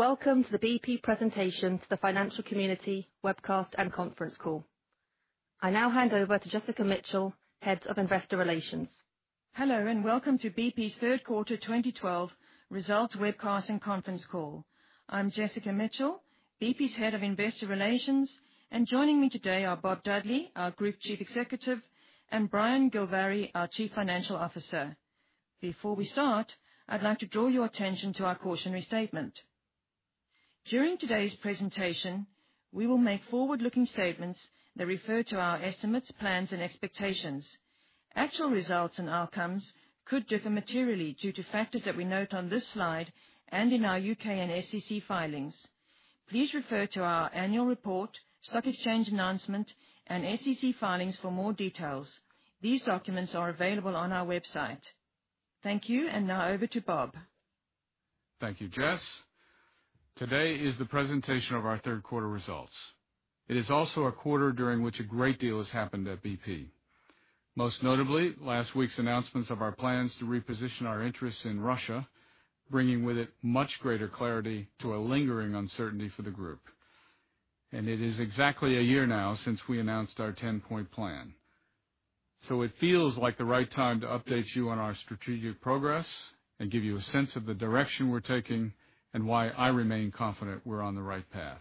Welcome to the BP presentation to the financial community webcast and conference call. I now hand over to Jessica Mitchell, Head of Investor Relations. Hello, welcome to BP's third quarter 2012 results webcast and conference call. I'm Jessica Mitchell, BP's Head of Investor Relations, and joining me today are Bob Dudley, our Group Chief Executive, and Brian Gilvary, our Chief Financial Officer. Before we start, I'd like to draw your attention to our cautionary statement. During today's presentation, we will make forward-looking statements that refer to our estimates, plans, and expectations. Actual results and outcomes could differ materially due to factors that we note on this slide and in our U.K. and SEC filings. Please refer to our annual report, stock exchange announcement, and SEC filings for more details. These documents are available on our website. Thank you, now over to Bob. Thank you, Jess. Today is the presentation of our third quarter results. It is also a quarter during which a great deal has happened at BP. Most notably, last week's announcements of our plans to reposition our interests in Russia, bringing with it much greater clarity to a lingering uncertainty for the group. It is exactly a year now since we announced our 10-point plan. It feels like the right time to update you on our strategic progress and give you a sense of the direction we're taking and why I remain confident we're on the right path.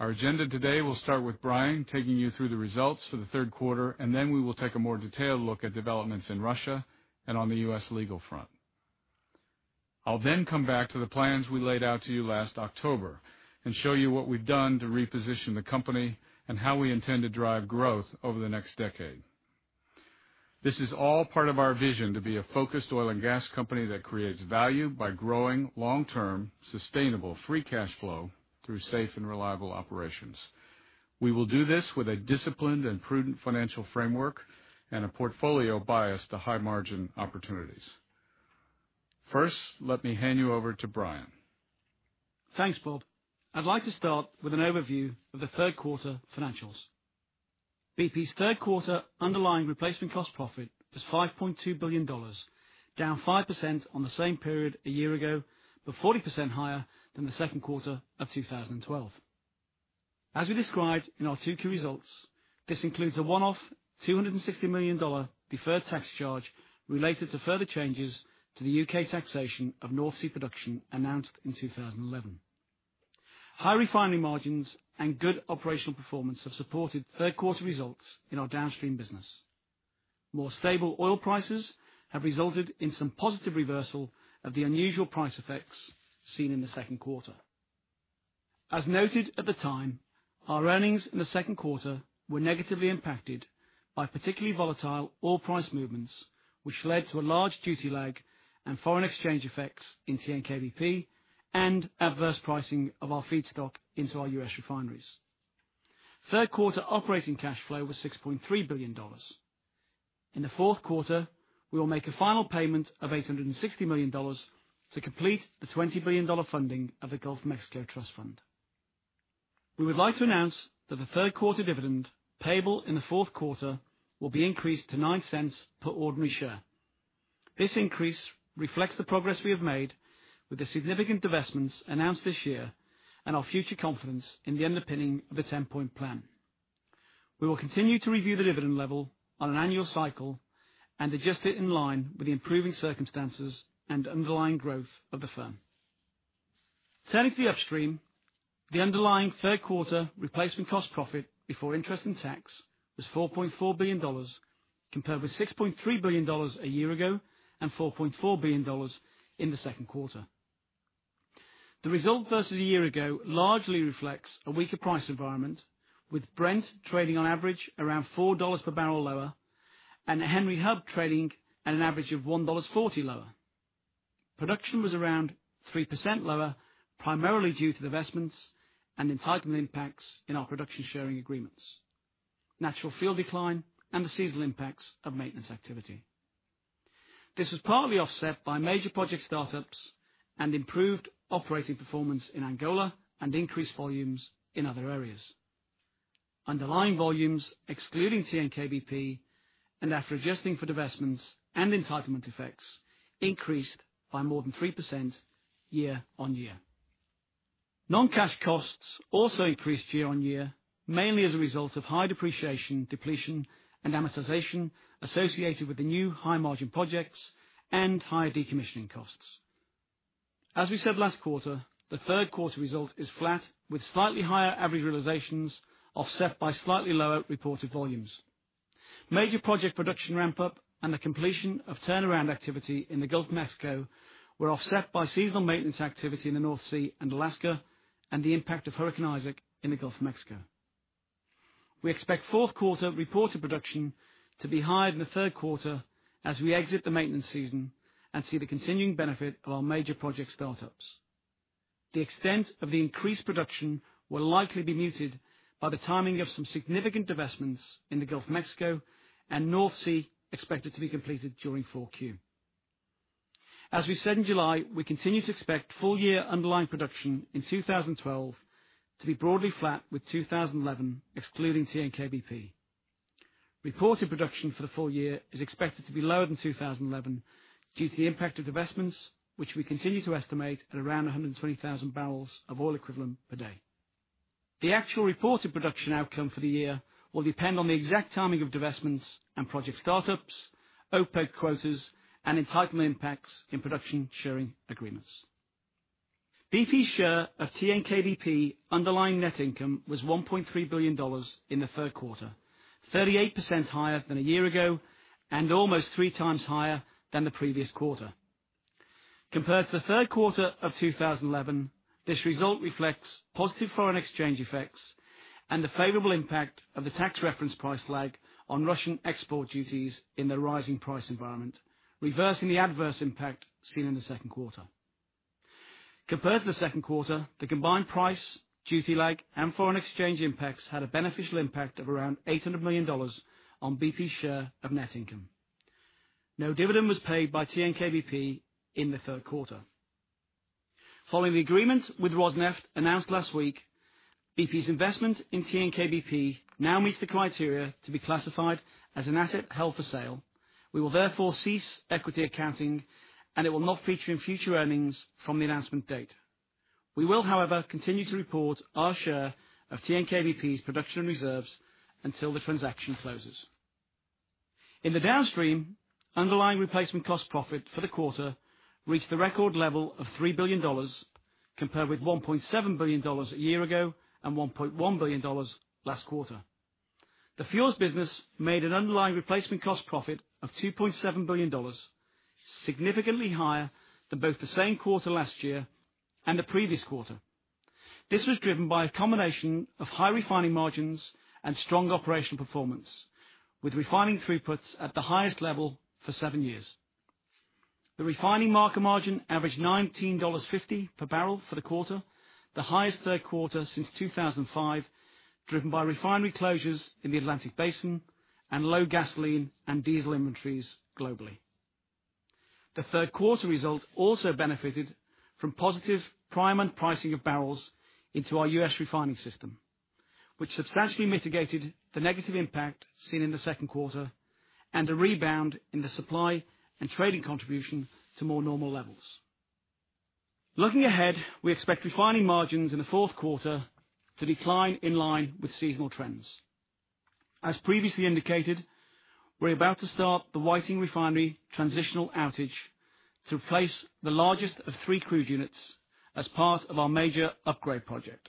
Our agenda today will start with Brian taking you through the results for the third quarter, then we will take a more detailed look at developments in Russia and on the U.S. legal front. I'll come back to the plans we laid out to you last October and show you what we've done to reposition the company and how we intend to drive growth over the next decade. This is all part of our vision to be a focused oil and gas company that creates value by growing long-term, sustainable free cash flow through safe and reliable operations. We will do this with a disciplined and prudent financial framework and a portfolio biased to high-margin opportunities. First, let me hand you over to Brian. Thanks, Bob. BP's third quarter underlying replacement cost profit was $5.2 billion, down 5% on the same period a year ago, 40% higher than the second quarter of 2012. As we described in our 2Q results, this includes a one-off $260 million deferred tax charge related to further changes to the U.K. taxation of North Sea production announced in 2011. High refining margins and good operational performance have supported third quarter results in our downstream business. More stable oil prices have resulted in some positive reversal of the unusual price effects seen in the second quarter. As noted at the time, our earnings in the second quarter were negatively impacted by particularly volatile oil price movements, which led to a large duty lag and foreign exchange effects in TNK-BP and adverse pricing of our feed stock into our U.S. refineries. Third quarter operating cash flow was $6.3 billion. In the fourth quarter, we will make a final payment of $860 million to complete the $20 billion funding of the Gulf of Mexico Trust Fund. We would like to announce that the third quarter dividend payable in the fourth quarter will be increased to $0.09 per ordinary share. This increase reflects the progress we have made with the significant divestments announced this year and our future confidence in the underpinning of the 10-point plan. We will continue to review the dividend level on an annual cycle and adjust it in line with the improving circumstances and underlying growth of the firm. Turning to the upstream, the underlying third quarter replacement cost profit before interest and tax was $4.4 billion, compared with $6.3 billion a year ago and $4.4 billion in the second quarter. The result versus a year ago largely reflects a weaker price environment, with Brent trading on average around $4 per barrel lower and Henry Hub trading at an average of $1.40 lower. Production was around 3% lower, primarily due to divestments and entitlement impacts in our production-sharing agreements, natural field decline, and the seasonal impacts of maintenance activity. This was partly offset by major project startups and improved operating performance in Angola and increased volumes in other areas. Underlying volumes, excluding TNK-BP and after adjusting for divestments and entitlement effects, increased by more than 3% year-on-year. Non-cash costs also increased year-on-year, mainly as a result of high depreciation, depletion, and amortization associated with the new high-margin projects and higher decommissioning costs. As we said last quarter, the third quarter result is flat with slightly higher average realisations offset by slightly lower reported volumes. Major project production ramp-up and the completion of turnaround activity in the Gulf of Mexico were offset by seasonal maintenance activity in the North Sea and Alaska and the impact of Hurricane Isaac in the Gulf of Mexico. We expect fourth quarter reported production to be higher than the third quarter as we exit the maintenance season and see the continuing benefit of our major project startups. The extent of the increased production will likely be muted by the timing of some significant divestments in the Gulf of Mexico and North Sea expected to be completed during 4Q. As we said in July, we continue to expect full year underlying production in 2012 to be broadly flat with 2011, excluding TNK-BP. Reported production for the full year is expected to be lower than 2011 due to the impact of divestments, which we continue to estimate at around 120,000 barrels of oil equivalent per day. The actual reported production outcome for the year will depend on the exact timing of divestments and project startups, OPEC quotas, and entitlement impacts in production sharing agreements. BP's share of TNK-BP underlying net income was $1.3 billion in the third quarter, 38% higher than a year ago, and almost three times higher than the previous quarter. Compared to the third quarter of 2011, this result reflects positive foreign exchange effects and the favorable impact of the tax reference price lag on Russian export duties in the rising price environment, reversing the adverse impact seen in the second quarter. Compared to the second quarter, the combined price, duty lag, and foreign exchange impacts had a beneficial impact of around $800 million on BP's share of net income. No dividend was paid by TNK-BP in the third quarter. Following the agreement with Rosneft announced last week, BP's investment in TNK-BP now meets the criteria to be classified as an asset held for sale. We will therefore cease equity accounting, and it will not feature in future earnings from the announcement date. We will, however, continue to report our share of TNK-BP's production and reserves until the transaction closes. In the downstream, underlying replacement cost profit for the quarter reached the record level of $3 billion, compared with $1.7 billion a year ago and $1.1 billion last quarter. The fuels business made an underlying replacement cost profit of $2.7 billion, significantly higher than both the same quarter last year and the previous quarter. This was driven by a combination of high refining margins and strong operational performance, with refining throughputs at the highest level for seven years. The refining market margin averaged $19.50 per barrel for the quarter, the highest third quarter since 2005, driven by refinery closures in the Atlantic Basin and low gasoline and diesel inventories globally. The third quarter results also benefited from positive prime and pricing of barrels into our U.S. refining system, which substantially mitigated the negative impact seen in the second quarter, and a rebound in the supply and trading contribution to more normal levels. Looking ahead, we expect refining margins in the fourth quarter to decline in line with seasonal trends. As previously indicated, we're about to start the Whiting Refinery transitional outage to place the largest of three crude units as part of our major upgrade project.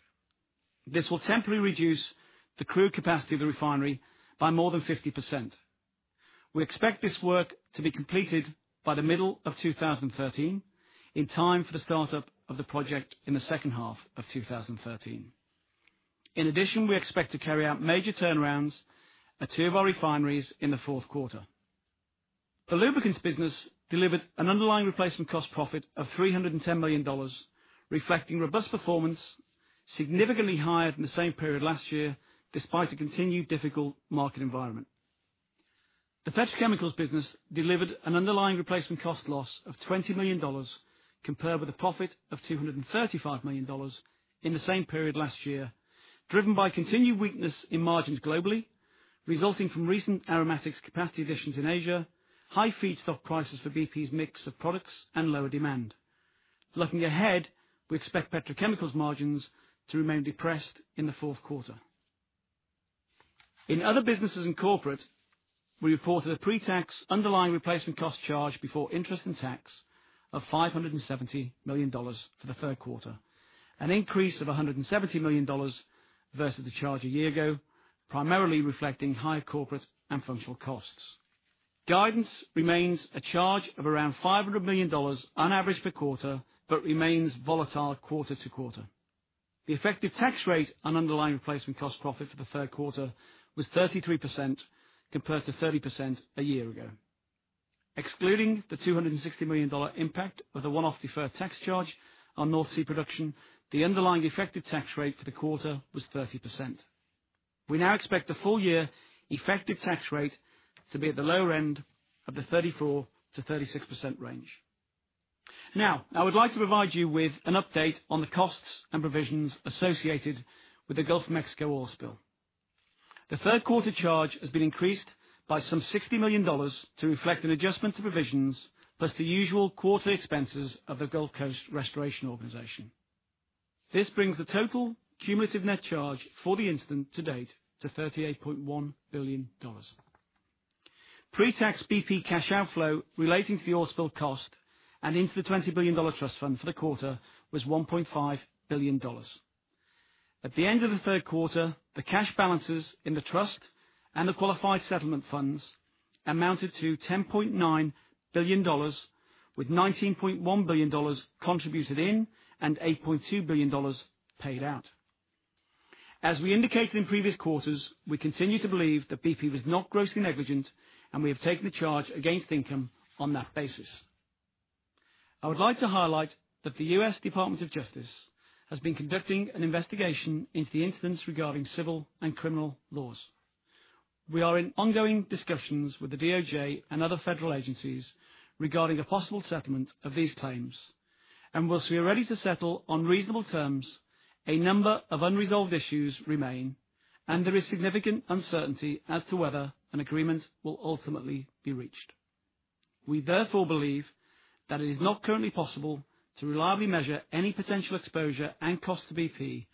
This will temporarily reduce the crude capacity of the refinery by more than 50%. We expect this work to be completed by the middle of 2013, in time for the start-up of the project in the second half of 2013. In addition, we expect to carry out major turnarounds at two of our refineries in the fourth quarter. The lubricants business delivered an underlying replacement cost profit of $310 million, reflecting robust performance, significantly higher than the same period last year, despite a continued difficult market environment. The petrochemicals business delivered an underlying replacement cost loss of $20 million, compared with a profit of $235 million in the same period last year, driven by continued weakness in margins globally, resulting from recent aromatics capacity additions in Asia, high feedstock prices for BP's mix of products, and lower demand. Looking ahead, we expect petrochemicals margins to remain depressed in the fourth quarter. In other businesses in corporate, we reported a pre-tax underlying replacement cost charge before interest in tax of $570 million for the third quarter, an increase of $170 million versus the charge a year ago, primarily reflecting higher corporate and functional costs. Guidance remains a charge of around $500 million on average per quarter, but remains volatile quarter-to-quarter. The effective tax rate on underlying replacement cost profit for the third quarter was 33%, compared to 30% a year ago. Excluding the $260 million impact of the one-off deferred tax charge on North Sea production, the underlying effective tax rate for the quarter was 30%. We now expect the full year effective tax rate to be at the lower end of the 34%-36% range. I would like to provide you with an update on the costs and provisions associated with the Gulf of Mexico oil spill. The third quarter charge has been increased by some $60 million to reflect an adjustment to provisions, plus the usual quarterly expenses of the Gulf Coast Restoration Organization. This brings the total cumulative net charge for the incident to date to $38.1 billion. Pre-tax BP cash outflow relating to the oil spill cost and into the $20 billion trust fund for the quarter was $1.5 billion. At the end of the third quarter, the cash balances in the trust and the qualified settlement funds amounted to $10.9 billion, with $19.1 billion contributed in and $8.2 billion paid out. As we indicated in previous quarters, we continue to believe that BP was not grossly negligent, and we have taken the charge against income on that basis. I would like to highlight that the U.S. Department of Justice has been conducting an investigation into the incidents regarding civil and criminal laws. We are in ongoing discussions with the DOJ and other federal agencies regarding a possible settlement of these claims. Whilst we are ready to settle on reasonable terms, a number of unresolved issues remain, and there is significant uncertainty as to whether an agreement will ultimately be reached. We therefore believe that it is not currently possible to reliably measure any potential exposure and cost to BP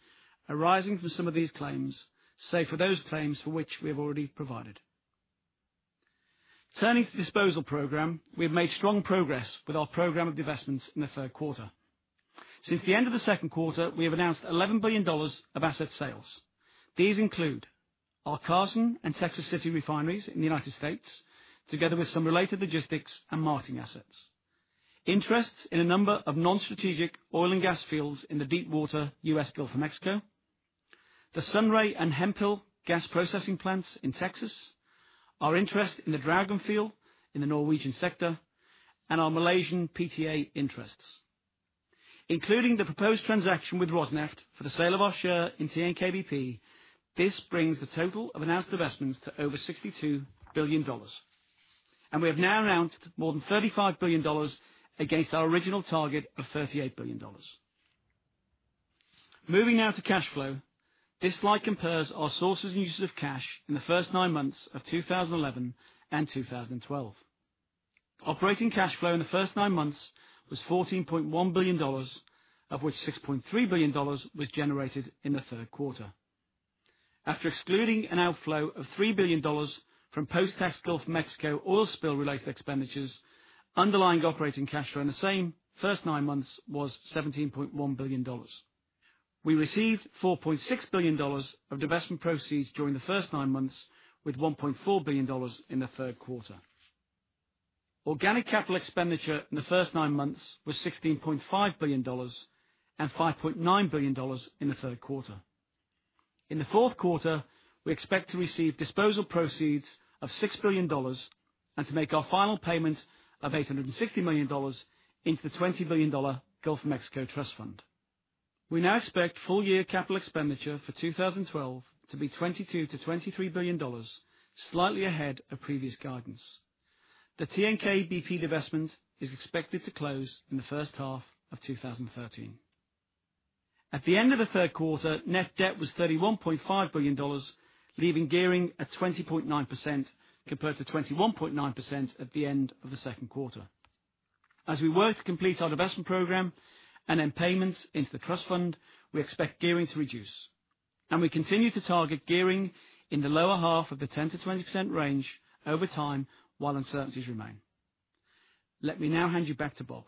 arising from some of these claims, save for those claims for which we have already provided. Turning to the disposal program, we have made strong progress with our program of divestments in the third quarter. Since the end of the second quarter, we have announced $11 billion of asset sales. These include our Carson and Texas City refineries in the United States, together with some related logistics and marketing assets. Interest in a number of non-strategic oil and gas fields in the deepwater U.S. Gulf of Mexico. The Sunray and Hemphill gas processing plants in Texas, our interest in the Draugen field in the Norwegian sector, and our Malaysian PTA interests. Including the proposed transaction with Rosneft for the sale of our share in TNK-BP, this brings the total of announced divestments to over $62 billion. We have now announced more than $35 billion against our original target of $38 billion. Moving now to cash flow. This slide compares our sources and uses of cash in the first nine months of 2011 and 2012. Operating cash flow in the first nine months was $14.1 billion, of which $6.3 billion was generated in the third quarter. After excluding an outflow of $3 billion from post-tax Gulf of Mexico oil spill-related expenditures, underlying operating cash flow in the same first nine months was $17.1 billion. We received $4.6 billion of divestment proceeds during the first nine months, with $1.4 billion in the third quarter. Organic capital expenditure in the first nine months was $16.5 billion and $5.9 billion in the third quarter. In the fourth quarter, we expect to receive disposal proceeds of $6 billion and to make our final payment of $860 million into the $20 billion Gulf of Mexico Trust Fund. We now expect full year capital expenditure for 2012 to be $22 billion-$23 billion, slightly ahead of previous guidance. The TNK-BP divestment is expected to close in the first half of 2013. At the end of the third quarter, net debt was $31.5 billion, leaving gearing at 20.9%, compared to 21.9% at the end of the second quarter. As we work to complete our divestment program and then payments into the trust fund, we expect gearing to reduce. We continue to target gearing in the lower half of the 10%-20% range over time, while uncertainties remain. Let me now hand you back to Bob.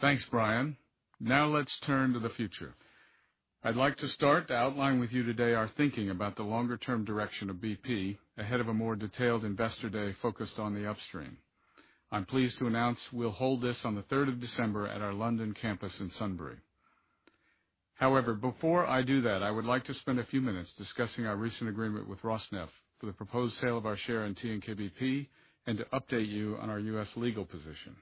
Thanks, Brian. Now let's turn to the future. I'd like to start to outline with you today our thinking about the longer-term direction of BP, ahead of a more detailed investor day focused on the upstream. I'm pleased to announce we'll hold this on the 3rd of December at our London campus in Sunbury. However, before I do that, I would like to spend a few minutes discussing our recent agreement with Rosneft for the proposed sale of our share in TNK-BP and to update you on our U.S. legal position.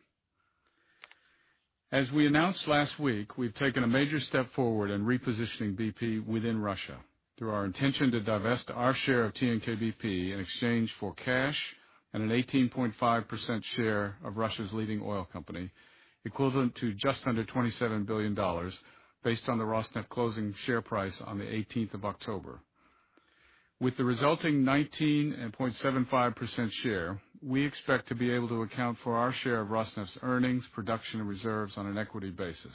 As we announced last week, we've taken a major step forward in repositioning BP within Russia through our intention to divest our share of TNK-BP in exchange for cash and an 18.5% share of Russia's leading oil company, equivalent to just under $27 billion, based on the Rosneft closing share price on the 18th of October. With the resulting 19.75% share, we expect to be able to account for our share of Rosneft's earnings, production, and reserves on an equity basis.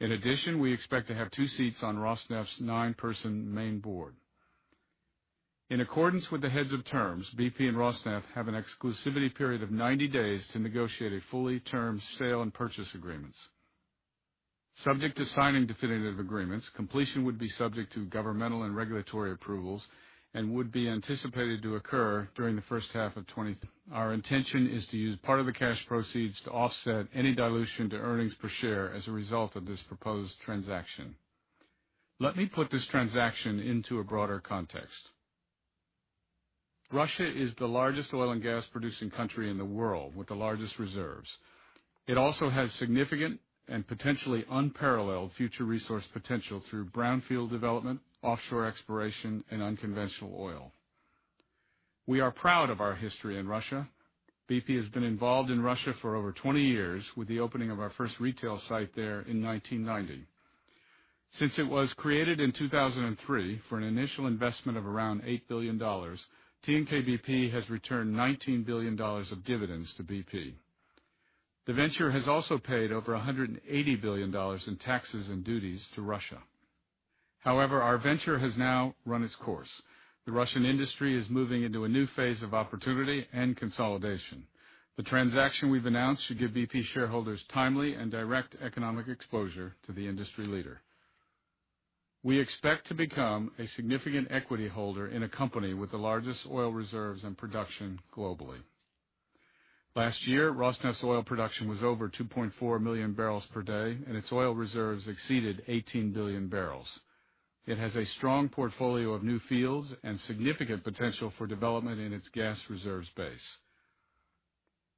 In addition, we expect to have two seats on Rosneft's nine-person main board. In accordance with the heads of terms, BP and Rosneft have an exclusivity period of 90 days to negotiate a fully termed sale and purchase agreements. Subject to signing definitive agreements, completion would be subject to governmental and regulatory approvals and would be anticipated to occur during the first half of 2013. Our intention is to use part of the cash proceeds to offset any dilution to earnings per share as a result of this proposed transaction. Let me put this transaction into a broader context. Russia is the largest oil and gas producing country in the world with the largest reserves. It also has significant and potentially unparalleled future resource potential through brownfield development, offshore exploration, and unconventional oil. We are proud of our history in Russia. BP has been involved in Russia for over 20 years, with the opening of our first retail site there in 1990. Since it was created in 2003 for an initial investment of around $8 billion, TNK-BP has returned $19 billion of dividends to BP. The venture has also paid over $180 billion in taxes and duties to Russia. However, our venture has now run its course. The Russian industry is moving into a new phase of opportunity and consolidation. The transaction we've announced should give BP shareholders timely and direct economic exposure to the industry leader. We expect to become a significant equity holder in a company with the largest oil reserves and production globally. Last year, Rosneft's oil production was over 2.4 million barrels per day, and its oil reserves exceeded 18 billion barrels. It has a strong portfolio of new fields and significant potential for development in its gas reserves base.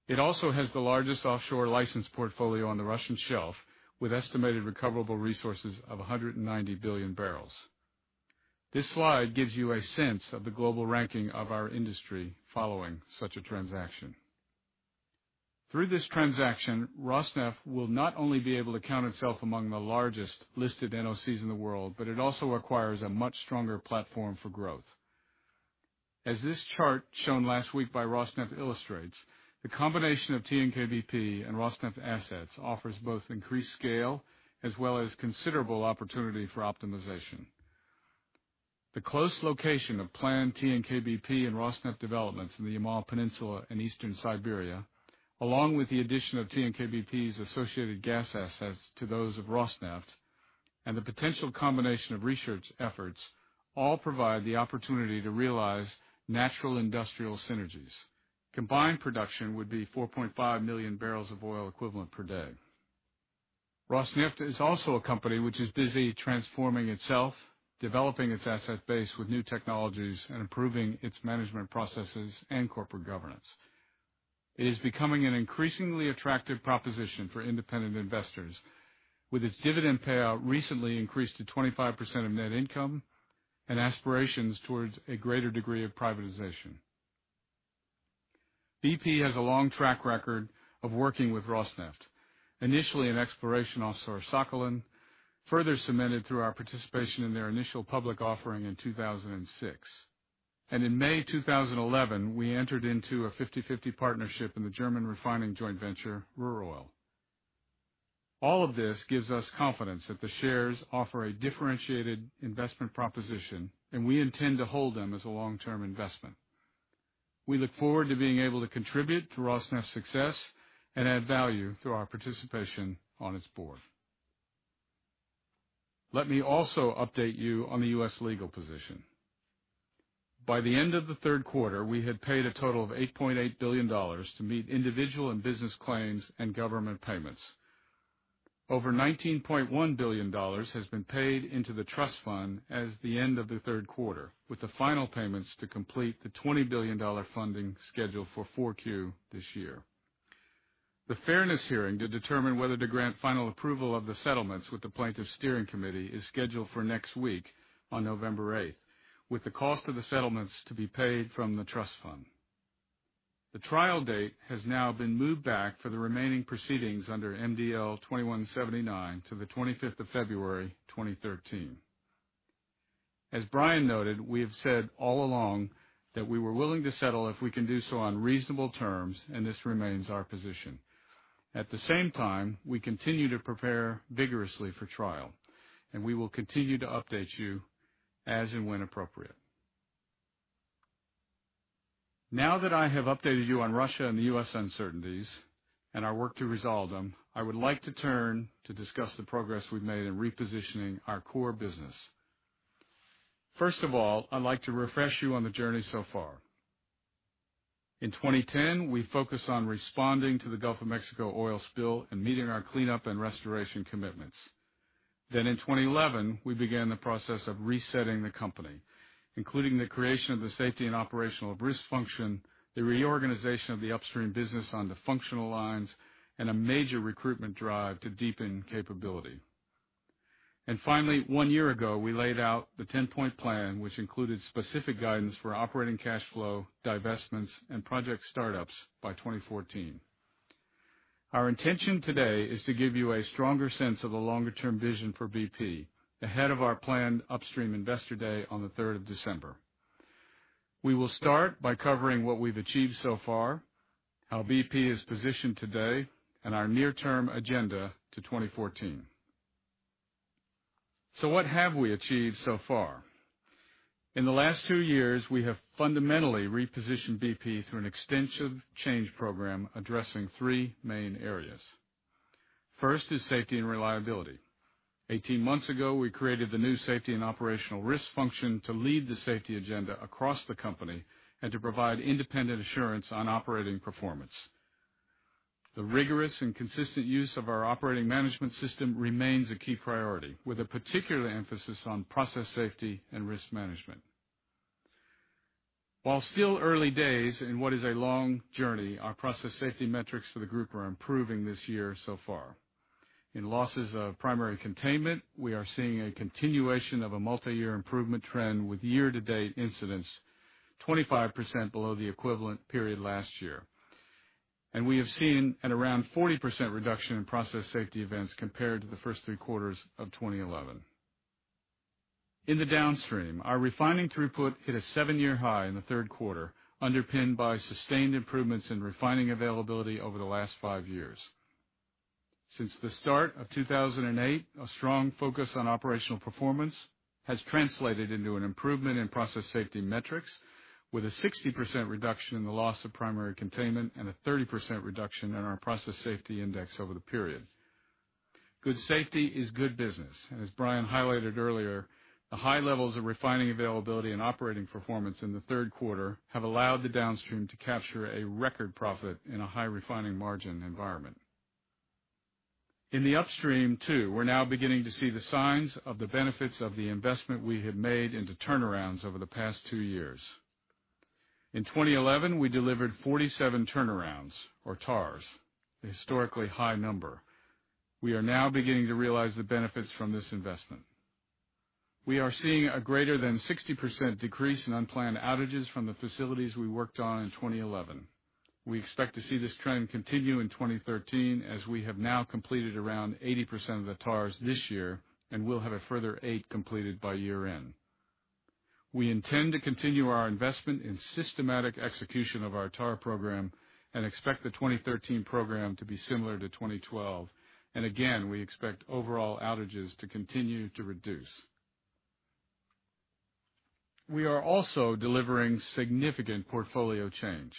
It also has the largest offshore license portfolio on the Russian shelf, with estimated recoverable resources of 190 billion barrels. This slide gives you a sense of the global ranking of our industry following such a transaction. Through this transaction, Rosneft will not only be able to count itself among the largest listed NOCs in the world, but it also acquires a much stronger platform for growth. As this chart shown last week by Rosneft illustrates, the combination of TNK-BP and Rosneft assets offers both increased scale as well as considerable opportunity for optimization. The close location of planned TNK-BP and Rosneft developments in the Yamal Peninsula in Eastern Siberia, along with the addition of TNK-BP's associated gas assets to those of Rosneft, and the potential combination of research efforts all provide the opportunity to realize natural industrial synergies. Combined production would be 4.5 million barrels of oil equivalent per day. Rosneft is also a company which is busy transforming itself, developing its asset base with new technologies, and improving its management processes and corporate governance. It is becoming an increasingly attractive proposition for independent investors. With its dividend payout recently increased to 25% of net income and aspirations towards a greater degree of privatization. BP has a long track record of working with Rosneft, initially in exploration offshore Sakhalin, further cemented through our participation in their initial public offering in 2006. In May 2011, we entered into a 50/50 partnership in the German refining joint venture, Ruhr Oel. All of this gives us confidence that the shares offer a differentiated investment proposition, and we intend to hold them as a long-term investment. We look forward to being able to contribute to Rosneft's success and add value through our participation on its board. Let me also update you on the U.S. legal position. By the end of the third quarter, we had paid a total of $8.8 billion to meet individual and business claims and government payments. Over $19.1 billion has been paid into the trust fund as of the end of the third quarter, with the final payments to complete the $20 billion funding scheduled for 4Q this year. The fairness hearing to determine whether to grant final approval of the settlements with the plaintiffs' steering committee is scheduled for next week on November 8th, with the cost of the settlements to be paid from the trust fund. The trial date has now been moved back for the remaining proceedings under MDL 2179 to the 25th of February 2013. As Brian noted, we have said all along that we were willing to settle if we can do so on reasonable terms, and this remains our position. At the same time, we continue to prepare vigorously for trial, and we will continue to update you as and when appropriate. That I have updated you on Russia and the U.S. uncertainties and our work to resolve them, I would like to turn to discuss the progress we've made in repositioning our core business. I'd like to refresh you on the journey so far. In 2010, we focused on responding to the Gulf of Mexico oil spill and meeting our cleanup and restoration commitments. In 2011, we began the process of resetting the company, including the creation of the safety and operational risk function, the reorganization of the upstream business on the functional lines, and a major recruitment drive to deepen capability. Finally, one year ago, we laid out the 10-point plan, which included specific guidance for operating cash flow, divestments, and project startups by 2014. Our intention today is to give you a stronger sense of the longer-term vision for BP ahead of our planned upstream investor day on the 3rd of December. We will start by covering what we've achieved so far, how BP is positioned today, and our near-term agenda to 2014. What have we achieved so far? In the last two years, we have fundamentally repositioned BP through an extensive change program addressing three main areas. First is safety and reliability. 18 months ago, we created the new safety and operational risk function to lead the safety agenda across the company and to provide independent assurance on operating performance. The rigorous and consistent use of our operating management system remains a key priority, with a particular emphasis on process safety and risk management. While still early days in what is a long journey, our process safety metrics for the group are improving this year so far. In losses of primary containment, we are seeing a continuation of a multiyear improvement trend with year-to-date incidents 25% below the equivalent period last year. We have seen at around 40% reduction in process safety events compared to the first three quarters of 2011. In the downstream, our refining throughput hit a seven-year high in the third quarter, underpinned by sustained improvements in refining availability over the last five years. Since the start of 2008, a strong focus on operational performance has translated into an improvement in process safety metrics with a 60% reduction in the loss of primary containment and a 30% reduction in our process safety index over the period. Good safety is good business. As Brian highlighted earlier, the high levels of refining availability and operating performance in the third quarter have allowed the downstream to capture a record profit in a high refining margin environment. In the upstream too, we're now beginning to see the signs of the benefits of the investment we have made into turnarounds over the past two years. In 2011, we delivered 47 turnarounds or TARs, a historically high number. We are now beginning to realize the benefits from this investment. We are seeing a greater than 60% decrease in unplanned outages from the facilities we worked on in 2011. We expect to see this trend continue in 2013, as we have now completed around 80% of the TARs this year and will have a further eight completed by year-end. We intend to continue our investment in systematic execution of our TAR program and expect the 2013 program to be similar to 2012. Again, we expect overall outages to continue to reduce. We are also delivering significant portfolio change.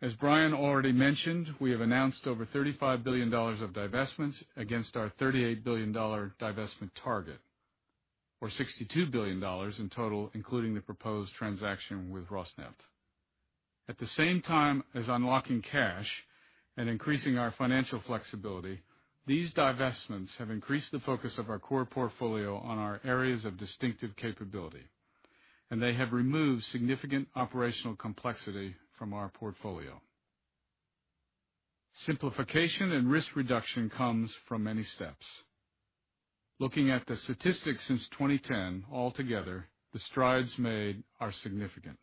As Brian already mentioned, we have announced over $35 billion of divestments against our $38 billion divestment target, or $62 billion in total, including the proposed transaction with Rosneft. At the same time as unlocking cash and increasing our financial flexibility, these divestments have increased the focus of our core portfolio on our areas of distinctive capability, and they have removed significant operational complexity from our portfolio. Simplification and risk reduction comes from many steps. Looking at the statistics since 2010 altogether, the strides made are significant.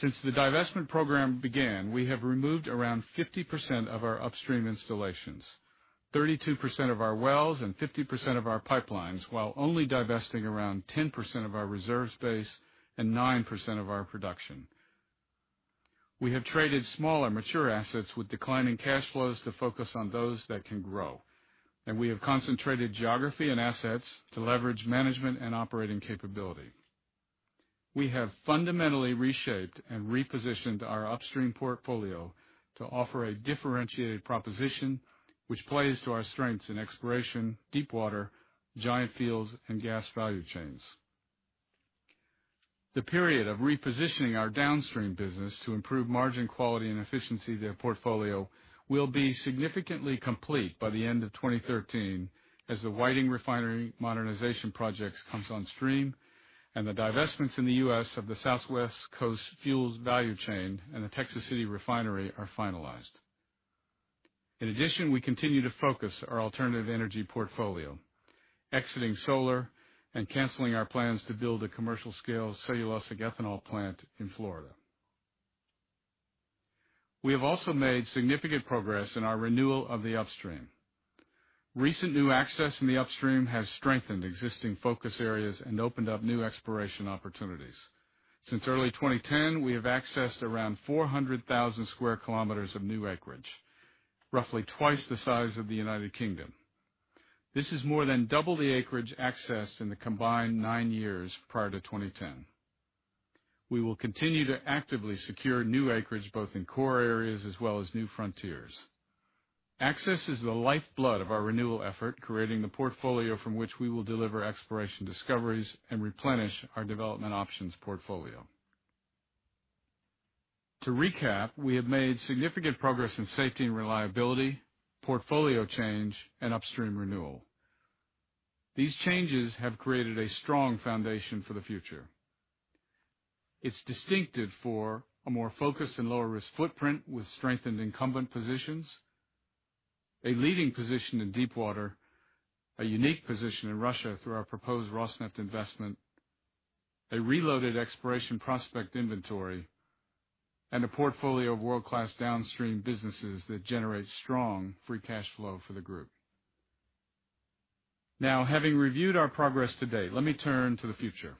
Since the divestment program began, we have removed around 50% of our upstream installations, 32% of our wells, and 50% of our pipelines, while only divesting around 10% of our reserve space and 9% of our production. We have traded smaller mature assets with declining cash flows to focus on those that can grow. We have concentrated geography and assets to leverage management and operating capability. We have fundamentally reshaped and repositioned our upstream portfolio to offer a differentiated proposition which plays to our strengths in exploration, deep water, giant fields, and gas value chains. The period of repositioning our downstream business to improve margin quality and efficiency of their portfolio will be significantly complete by the end of 2013 as the Whiting Refinery modernization project comes on stream and the divestments in the U.S. of the South West Coast fuels value chain and the Texas City Refinery are finalized. In addition, we continue to focus our alternative energy portfolio, exiting solar and canceling our plans to build a commercial scale cellulosic ethanol plant in Florida. We have also made significant progress in our renewal of the upstream. Recent new access in the upstream has strengthened existing focus areas and opened up new exploration opportunities. Since early 2010, we have accessed around 400,000 square kilometers of new acreage, roughly twice the size of the United Kingdom. This is more than double the acreage accessed in the combined nine years prior to 2010. We will continue to actively secure new acreage, both in core areas as well as new frontiers. Access is the lifeblood of our renewal effort, creating the portfolio from which we will deliver exploration discoveries and replenish our development options portfolio. To recap, we have made significant progress in safety and reliability, portfolio change, and upstream renewal. These changes have created a strong foundation for the future. It's distinctive for a more focused and lower risk footprint with strengthened incumbent positions, a leading position in deep water, a unique position in Russia through our proposed Rosneft investment, a reloaded exploration prospect inventory, and a portfolio of world-class downstream businesses that generate strong free cash flow for the group. Having reviewed our progress to date, let me turn to the future.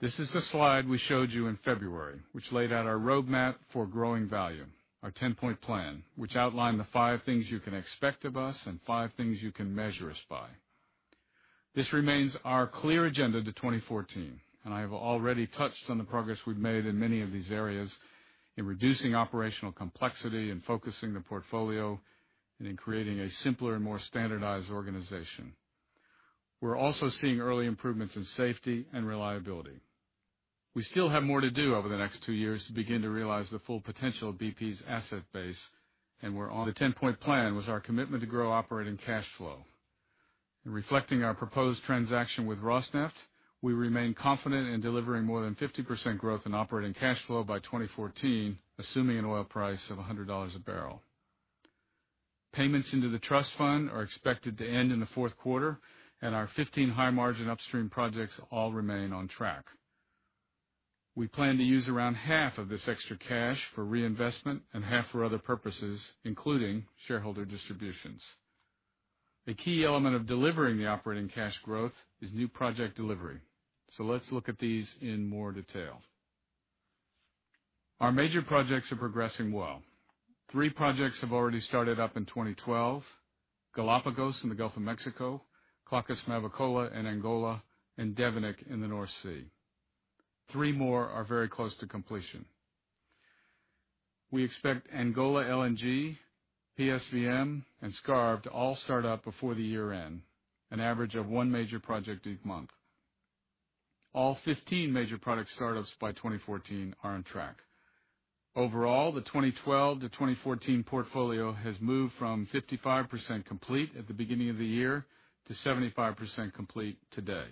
This is the slide we showed you in February, which laid out our roadmap for growing value, our 10-point plan, which outlined the five things you can expect of us and five things you can measure us by. This remains our clear agenda to 2014. I have already touched on the progress we've made in many of these areas in reducing operational complexity, in focusing the portfolio, and in creating a simpler and more standardized organization. We're also seeing early improvements in safety and reliability. We still have more to do over the next two years to begin to realize the full potential of BP's asset base. The 10-point plan was our commitment to grow operating cash flow. In reflecting our proposed transaction with Rosneft, we remain confident in delivering more than 50% growth in operating cash flow by 2014, assuming an oil price of $100 a barrel. Payments into the trust fund are expected to end in the fourth quarter. Our 15 high margin upstream projects all remain on track. We plan to use around half of this extra cash for reinvestment and half for other purposes, including shareholder distributions. A key element of delivering the operating cash growth is new project delivery. Let's look at these in more detail. Our major projects are progressing well. Three projects have already started up in 2012, Galapagos in the Gulf of Mexico, Klakkers-Mavela in Angola, and Devenick in the North Sea. Three more are very close to completion. We expect Angola LNG, PSVM, and Skarv to all start up before the year-end, an average of one major project each month. All 15 major project startups by 2014 are on track. Overall, the 2012 to 2014 portfolio has moved from 55% complete at the beginning of the year to 75% complete today.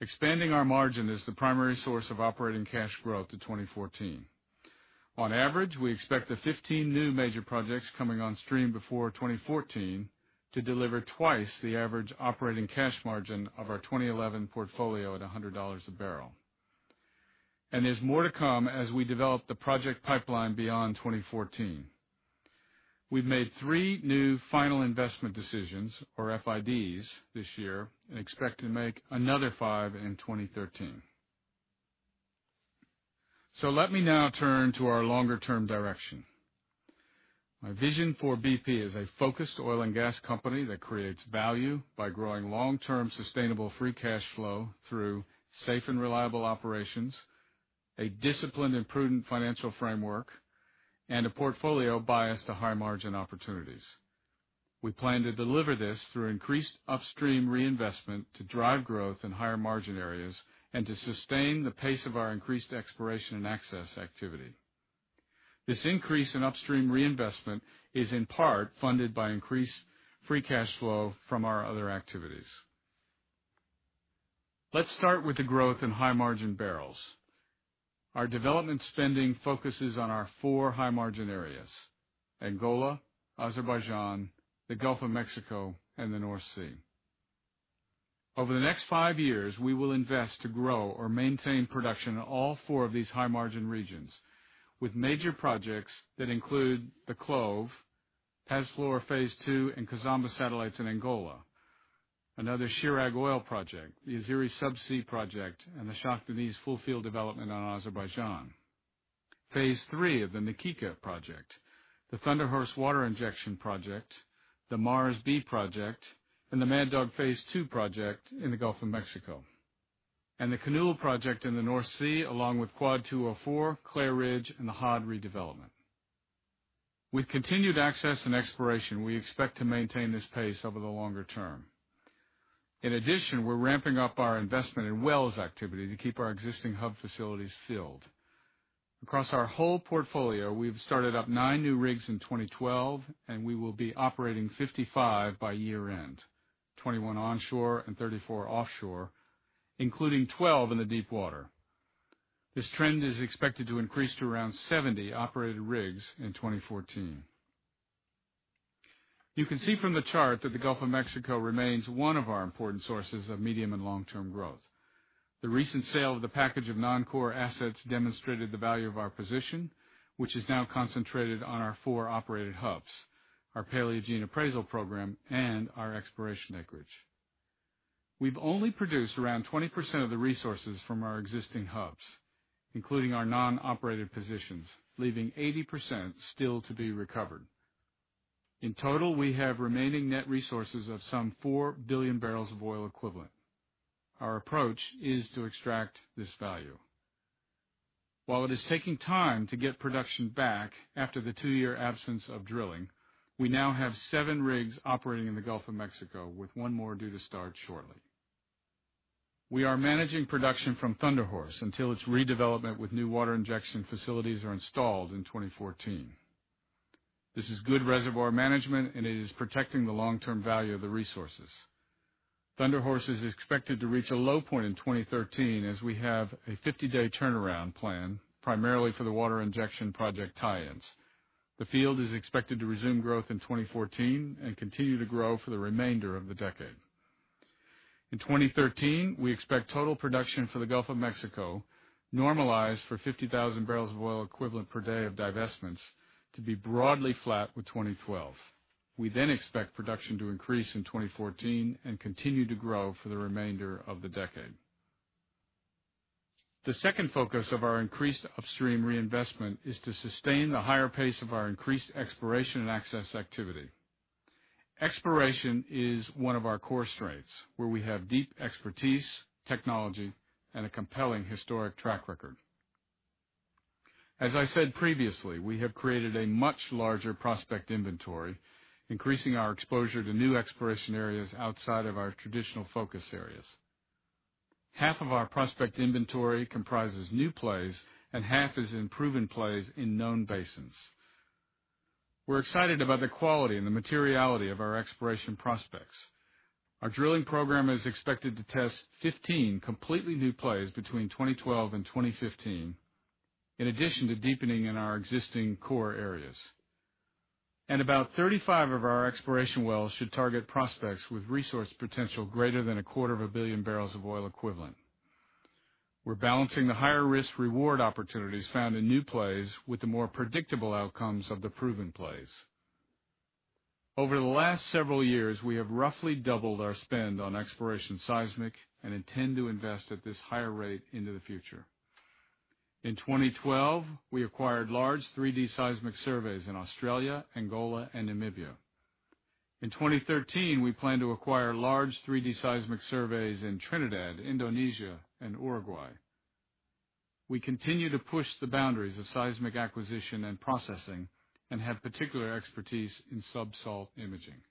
Expanding our margin is the primary source of operating cash growth to 2014. On average, we expect the 15 new major projects coming on stream before 2014 to deliver twice the average operating cash margin of our 2011 portfolio at $100 a barrel. There's more to come as we develop the project pipeline beyond 2014. We've made three new final investment decisions, or FIDs, this year, and expect to make another five in 2013. Let me now turn to our longer-term direction. My vision for BP is a focused oil and gas company that creates value by growing long-term sustainable free cash flow through safe and reliable operations, a disciplined and prudent financial framework, and a portfolio biased to high-margin opportunities. We plan to deliver this through increased upstream reinvestment to drive growth in higher-margin areas, and to sustain the pace of our increased exploration and access activity. This increase in upstream reinvestment is in part funded by increased free cash flow from our other activities. Let's start with the growth in high-margin barrels. Our development spending focuses on our four high-margin areas, Angola, Azerbaijan, the Gulf of Mexico, and the North Sea. Over the next five years, we will invest to grow or maintain production in all four of these high-margin regions with major projects that include the CLOV, Pazflor Phase Two, and Kizomba satellites in Angola, another Chirag oil project, the Azeri sub-sea project, and the Shah Deniz full field development on Azerbaijan, phase 3 of the Na Kika project, the Thunder Horse water injection project, the Mars B project, and the Mad Dog Phase Two project in the Gulf of Mexico, and the Kinnoull project in the North Sea, along with Quad 204, Clair Ridge, and the Hod redevelopment. With continued access and exploration, we expect to maintain this pace over the longer term. In addition, we're ramping up our investment in wells activity to keep our existing hub facilities filled. Across our whole portfolio, we've started up nine new rigs in 2012, and we will be operating 55 by year-end, 21 onshore and 34 offshore, including 12 in the deepwater. This trend is expected to increase to around 70 operated rigs in 2014. You can see from the chart that the Gulf of Mexico remains one of our important sources of medium and long-term growth. The recent sale of the package of non-core assets demonstrated the value of our position, which is now concentrated on our four operated hubs, our Paleogene appraisal program, and our exploration acreage. We've only produced around 20% of the resources from our existing hubs, including our non-operated positions, leaving 80% still to be recovered. In total, we have remaining net resources of some four billion barrels of oil equivalent. Our approach is to extract this value. While it is taking time to get production back after the two-year absence of drilling, we now have seven rigs operating in the Gulf of Mexico, with one more due to start shortly. We are managing production from Thunder Horse until its redevelopment with new water injection facilities are installed in 2014. This is good reservoir management, and it is protecting the long-term value of the resources. Thunder Horse is expected to reach a low point in 2013, as we have a 50-day turnaround plan, primarily for the water injection project tie-ins. The field is expected to resume growth in 2014 and continue to grow for the remainder of the decade. In 2013, we expect total production for the Gulf of Mexico, normalized for 50,000 barrels of oil equivalent per day of divestments, to be broadly flat with 2012. We expect production to increase in 2014 and continue to grow for the remainder of the decade. The second focus of our increased upstream reinvestment is to sustain the higher pace of our increased exploration and access activity. Exploration is one of our core strengths, where we have deep expertise, technology, and a compelling historic track record. As I said previously, we have created a much larger prospect inventory, increasing our exposure to new exploration areas outside of our traditional focus areas. Half of our prospect inventory comprises new plays and half is in proven plays in known basins. We are excited about the quality and the materiality of our exploration prospects. Our drilling program is expected to test 15 completely new plays between 2012 and 2015, in addition to deepening in our existing core areas. About 35 of our exploration wells should target prospects with resource potential greater than a quarter of a billion barrels of oil equivalent. We are balancing the higher risk/reward opportunities found in new plays with the more predictable outcomes of the proven plays. Over the last several years, we have roughly doubled our spend on exploration seismic and intend to invest at this higher rate into the future. In 2012, we acquired large 3D seismic surveys in Australia, Angola, and Namibia. In 2013, we plan to acquire large 3D seismic surveys in Trinidad, Indonesia, and Uruguay. We continue to push the boundaries of seismic acquisition and processing and have particular expertise in sub-salt imaging.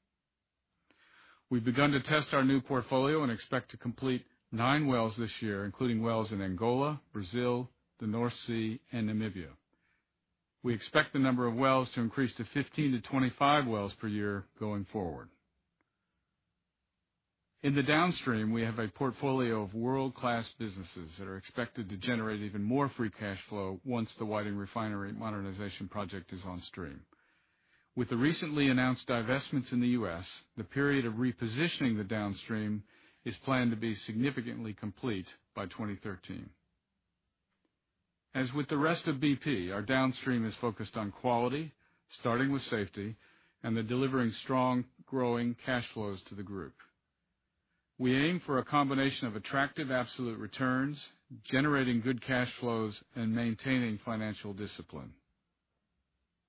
We have begun to test our new portfolio and expect to complete nine wells this year, including wells in Angola, Brazil, the North Sea, and Namibia. We expect the number of wells to increase to 15 to 25 wells per year going forward. In the downstream, we have a portfolio of world-class businesses that are expected to generate even more free cash flow once the Whiting Refinery modernization project is on stream. With the recently announced divestments in the U.S., the period of repositioning the downstream is planned to be significantly complete by 2013. As with the rest of BP, our downstream is focused on quality, starting with safety, and delivering strong, growing cash flows to the group. We aim for a combination of attractive absolute returns, generating good cash flows, and maintaining financial discipline.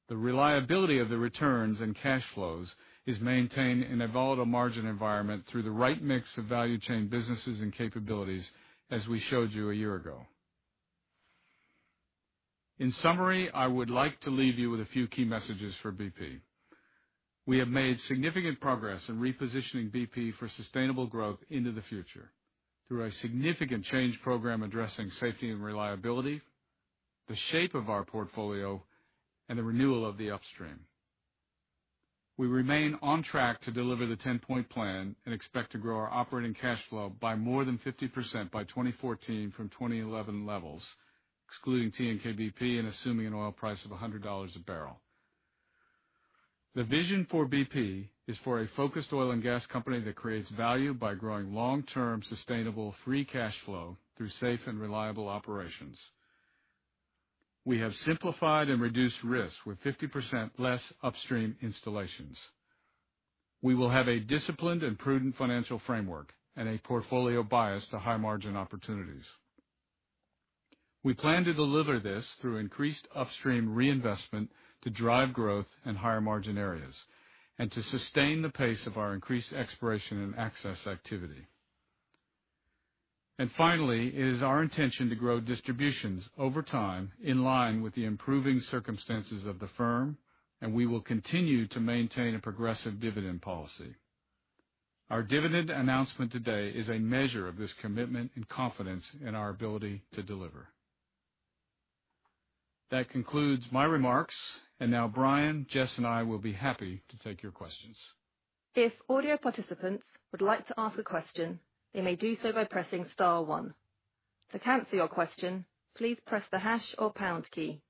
The reliability of the returns and cash flows is maintained in a volatile margin environment through the right mix of value chain businesses and capabilities, as we showed you a year ago. In summary, I would like to leave you with a few key messages for BP. We have made significant progress in repositioning BP for sustainable growth into the future through a significant change program addressing safety and reliability, the shape of our portfolio, and the renewal of the upstream. We remain on track to deliver the 10-point plan and expect to grow our operating cash flow by more than 50% by 2014 from 2011 levels, excluding TNK-BP, and assuming an oil price of $100 a barrel. The vision for BP is for a focused oil and gas company that creates value by growing long-term sustainable free cash flow through safe and reliable operations. We have simplified and reduced risks with 50% less upstream installations. We will have a disciplined and prudent financial framework and a portfolio bias to high margin opportunities. We plan to deliver this through increased upstream reinvestment to drive growth in higher margin areas and to sustain the pace of our increased exploration and access activity. Finally, it is our intention to grow distributions over time in line with the improving circumstances of the firm, and we will continue to maintain a progressive dividend policy. Our dividend announcement today is a measure of this commitment and confidence in our ability to deliver. That concludes my remarks, and now Brian, Jess, and I will be happy to take your questions. If audio participants would like to ask a question, they may do so by pressing star one. To cancel your question, please press the hash or pound key.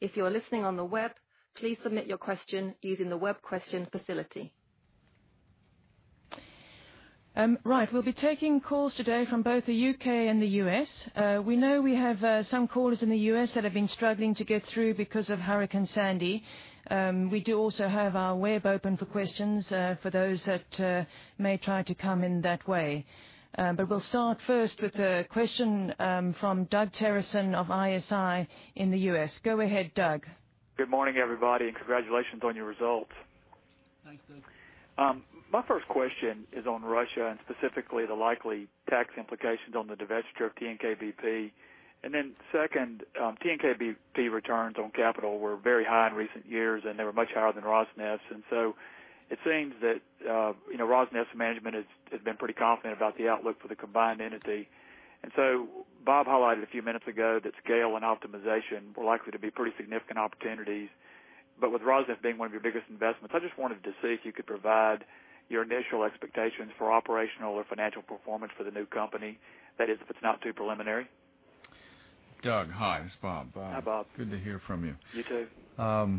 If you are listening on the web, please submit your question using the web question facility. Right. We'll be taking calls today from both the U.K. and the U.S. We know we have some callers in the U.S. that have been struggling to get through because of Hurricane Sandy. We do also have our web open for questions, for those that may try to come in that way. We'll start first with a question from Doug Terreson of ISI in the U.S. Go ahead, Doug. Good morning, everybody. Congratulations on your results. Thanks, Doug. My first question is on Russia, and specifically the likely tax implications on the divestiture of TNK-BP, and then second, TNK-BP returns on capital were very high in recent years, and they were much higher than Rosneft's. It seems that Rosneft's management has been pretty confident about the outlook for the combined entity. Bob highlighted a few minutes ago that scale and optimization were likely to be pretty significant opportunities. With Rosneft being one of your biggest investments, I just wanted to see if you could provide your initial expectations for operational or financial performance for the new company. That is, if it's not too preliminary. Doug, hi, this is Bob. Hi, Bob. Good to hear from you. You too.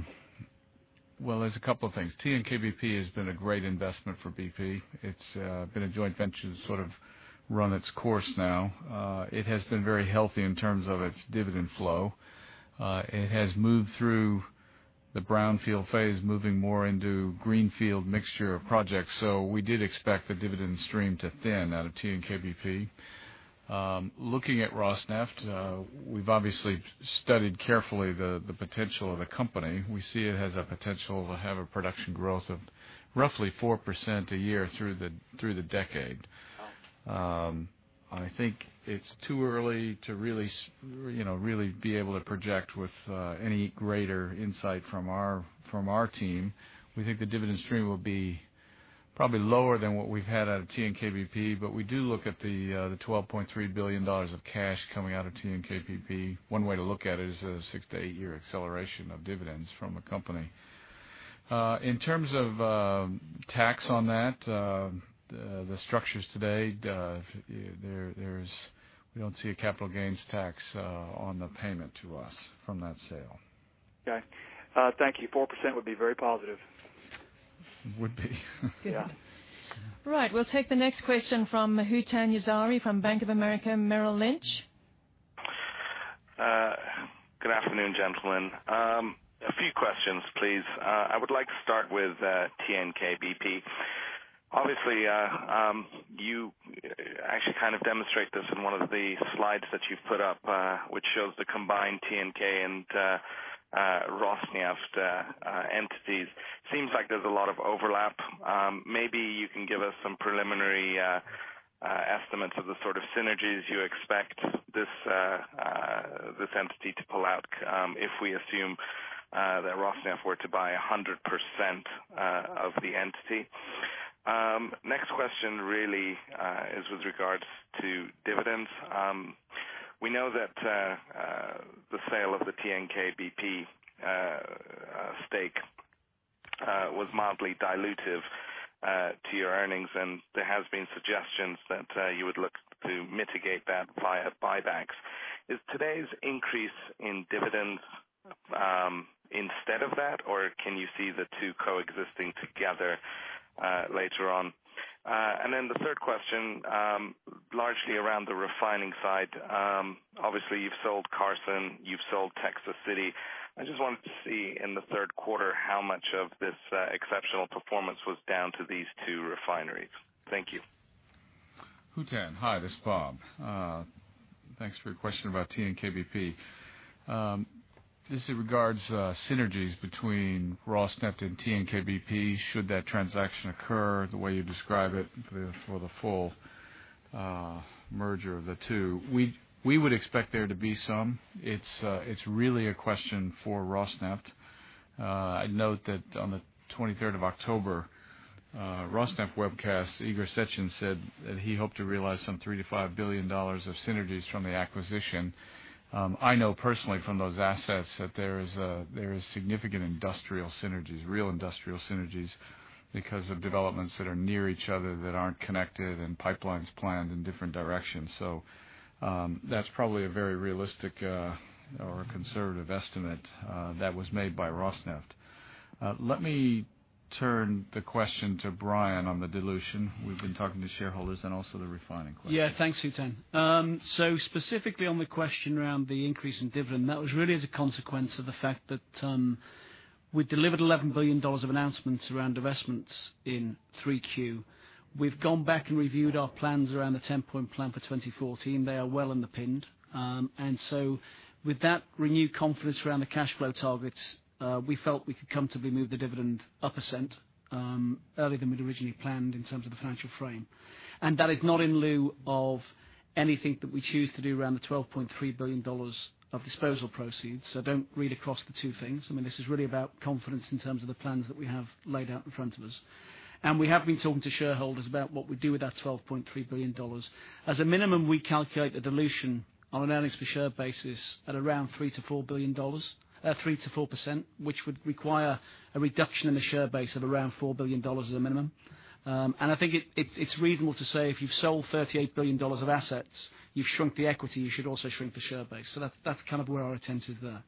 There's a couple of things. TNK-BP has been a great investment for BP. It's been a joint venture that's sort of run its course now. It has been very healthy in terms of its dividend flow. It has moved through the brownfield phase, moving more into greenfield mixture of projects. We did expect the dividend stream to thin out of TNK-BP. Looking at Rosneft, we've obviously studied carefully the potential of the company. We see it has a potential to have a production growth of roughly 4% a year through the decade. Oh. I think it's too early to really be able to project with any greater insight from our team. We think the dividend stream will be probably lower than what we've had out of TNK-BP. We do look at the $12.3 billion of cash coming out of TNK-BP. One way to look at it is a six to eight-year acceleration of dividends from a company. In terms of tax on that, the structures today, we don't see a capital gains tax on the payment to us from that sale. Okay. Thank you. 4% would be very positive. Would be. Yeah. Right. We'll take the next question from Hootan Yazhari from Bank of America Merrill Lynch. Good afternoon, gentlemen. A few questions, please. I would like to start with TNK-BP. You actually kind of demonstrate this in one of the slides that you've put up, which shows the combined TNK and Rosneft entities. Seems like there's a lot of overlap. Maybe you can give us some preliminary estimates of the sort of synergies you expect this entity to pull out if we assume that Rosneft were to buy 100% of the entity. Next question really is with regards to dividends. We know that the sale of the TNK-BP stake was mildly dilutive to your earnings, and there has been suggestions that you would look to mitigate that via buybacks. Is today's increase in dividends instead of that, or can you see the two coexisting together later on? The third question, largely around the refining side. You've sold Carson, you've sold Texas City. I just wanted to see in the third quarter how much of this exceptional performance was down to these two refineries. Thank you. Hootan, hi, this is Bob. Thanks for your question about TNK-BP. This regards synergies between Rosneft and TNK-BP should that transaction occur the way you describe it for the full merger of the two. We would expect there to be some. It's really a question for Rosneft. I'd note that on the 23rd of October Rosneft webcast, Igor Sechin said that he hoped to realize some $3 billion-$5 billion of synergies from the acquisition. That's probably a very realistic or a conservative estimate that was made by Rosneft. Let me turn the question to Brian on the dilution. We've been talking to shareholders and also the refining question. Thanks, Hootan. Specifically on the question around the increase in dividend, that was really as a consequence of the fact that we delivered $11 billion of announcements around divestments in 3Q. We've gone back and reviewed our plans around the 10-point plan for 2014. They are well underpinned. With that renewed confidence around the cash flow targets, we felt we could comfortably move the dividend up $0.01 earlier than we'd originally planned in terms of the financial frame. That is not in lieu of anything that we choose to do around the $12.3 billion of disposal proceeds, don't read across the two things. This is really about confidence in terms of the plans that we have laid out in front of us. We have been talking to shareholders about what we do with that $12.3 billion. As a minimum, we calculate the dilution on an earnings per share basis at around 3%-4%, which would require a reduction in the share base of around $4 billion as a minimum. I think it's reasonable to say if you've sold $38 billion of assets, you've shrunk the equity, you should also shrink the share base. That's where our intent is there.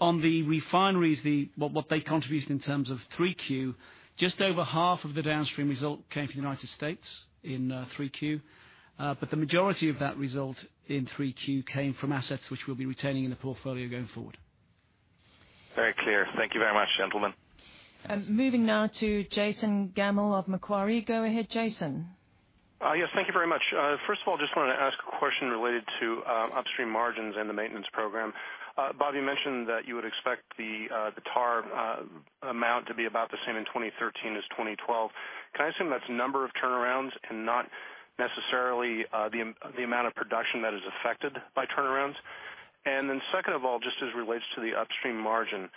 On the refineries, what they contributed in terms of 3Q, just over half of the downstream result came from the U.S. in 3Q. The majority of that result in 3Q came from assets which we'll be retaining in the portfolio going forward. Very clear. Thank you very much, gentlemen. Moving now to Jason Gammel of Macquarie. Go ahead, Jason. Yes, thank you very much. First of all, just wanted to ask a question related to upstream margins and the maintenance program. Bob, you mentioned that you would expect the TAR amount to be about the same in 2013 as 2012. Can I assume that's number of turnarounds and not necessarily the amount of production that is affected by turnarounds? Second of all, just as relates to the upstream margin,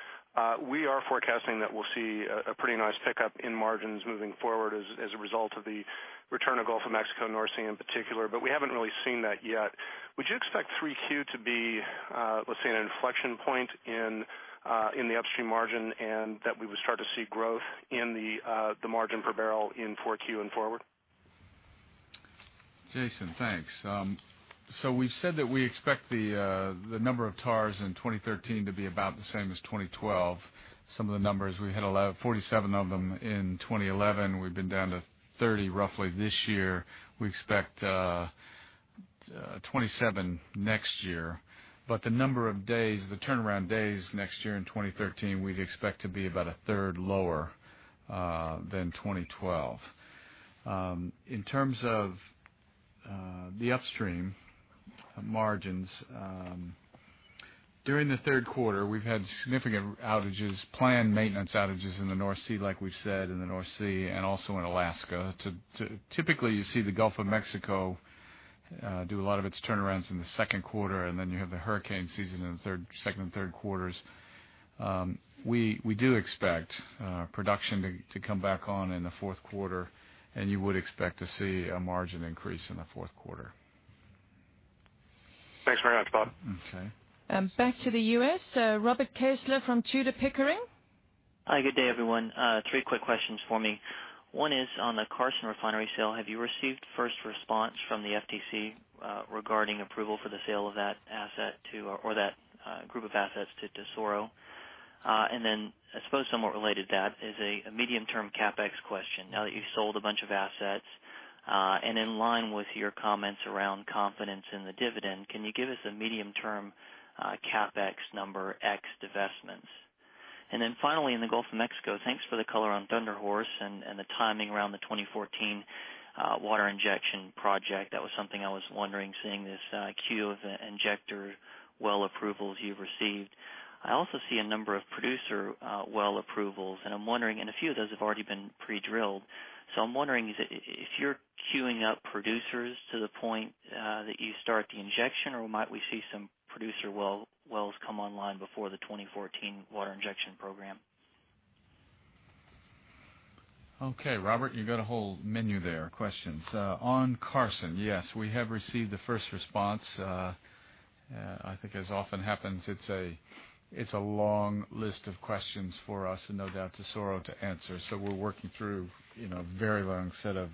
we are forecasting that we'll see a pretty nice pickup in margins moving forward as a result of the return of Gulf of Mexico and Orsimer in particular. We haven't really seen that yet. Would you expect 3Q to be, let's say, an inflection point in the upstream margin and that we would start to see growth in the margin per barrel in 4Q and forward? Jason, thanks. We've said that we expect the number of TARs in 2013 to be about the same as 2012. Some of the numbers, we had 47 of them in 2011. We've been down to 30 roughly this year. We expect 27 next year. The number of days, the turnaround days next year in 2013, we'd expect to be about a third lower than 2012. In terms of the upstream margins, during the third quarter, we've had significant outages, planned maintenance outages in the North Sea, like we've said, in the North Sea and also in Alaska. Typically, you see the Gulf of Mexico do a lot of its turnarounds in the second quarter, you have the hurricane season in the second and third quarters. We do expect production to come back on in the fourth quarter, you would expect to see a margin increase in the fourth quarter. Thanks very much, Bob. Okay. Back to the U.S., Robert Kessler from Tudor, Pickering. Hi, good day, everyone. three quick questions for me. one is on the Carson Refinery sale. Have you received first response from the FTC regarding approval for the sale of that asset to, or that group of assets to Tesoro? I suppose somewhat related to that is a medium-term CapEx question. Now that you've sold a bunch of assets, and in line with your comments around confidence in the dividend, can you give us a medium-term CapEx number ex divestments? Finally, in the Gulf of Mexico, thanks for the color on Thunder Horse and the timing around the 2014 water injection project. That was something I was wondering, seeing this queue of injector well approvals you've received. I also see a number of producer well approvals, and I'm wondering, and a few of those have already been pre-drilled. I'm wondering, if you're queuing up producers to the point that you start the injection, or might we see some producer wells come online before the 2014 water injection program? Okay, Robert, you've got a whole menu there of questions. On Carson, yes, we have received the first response. I think as often happens, it's a long list of questions for us, and no doubt to Tesoro to answer. We're working through a very long set of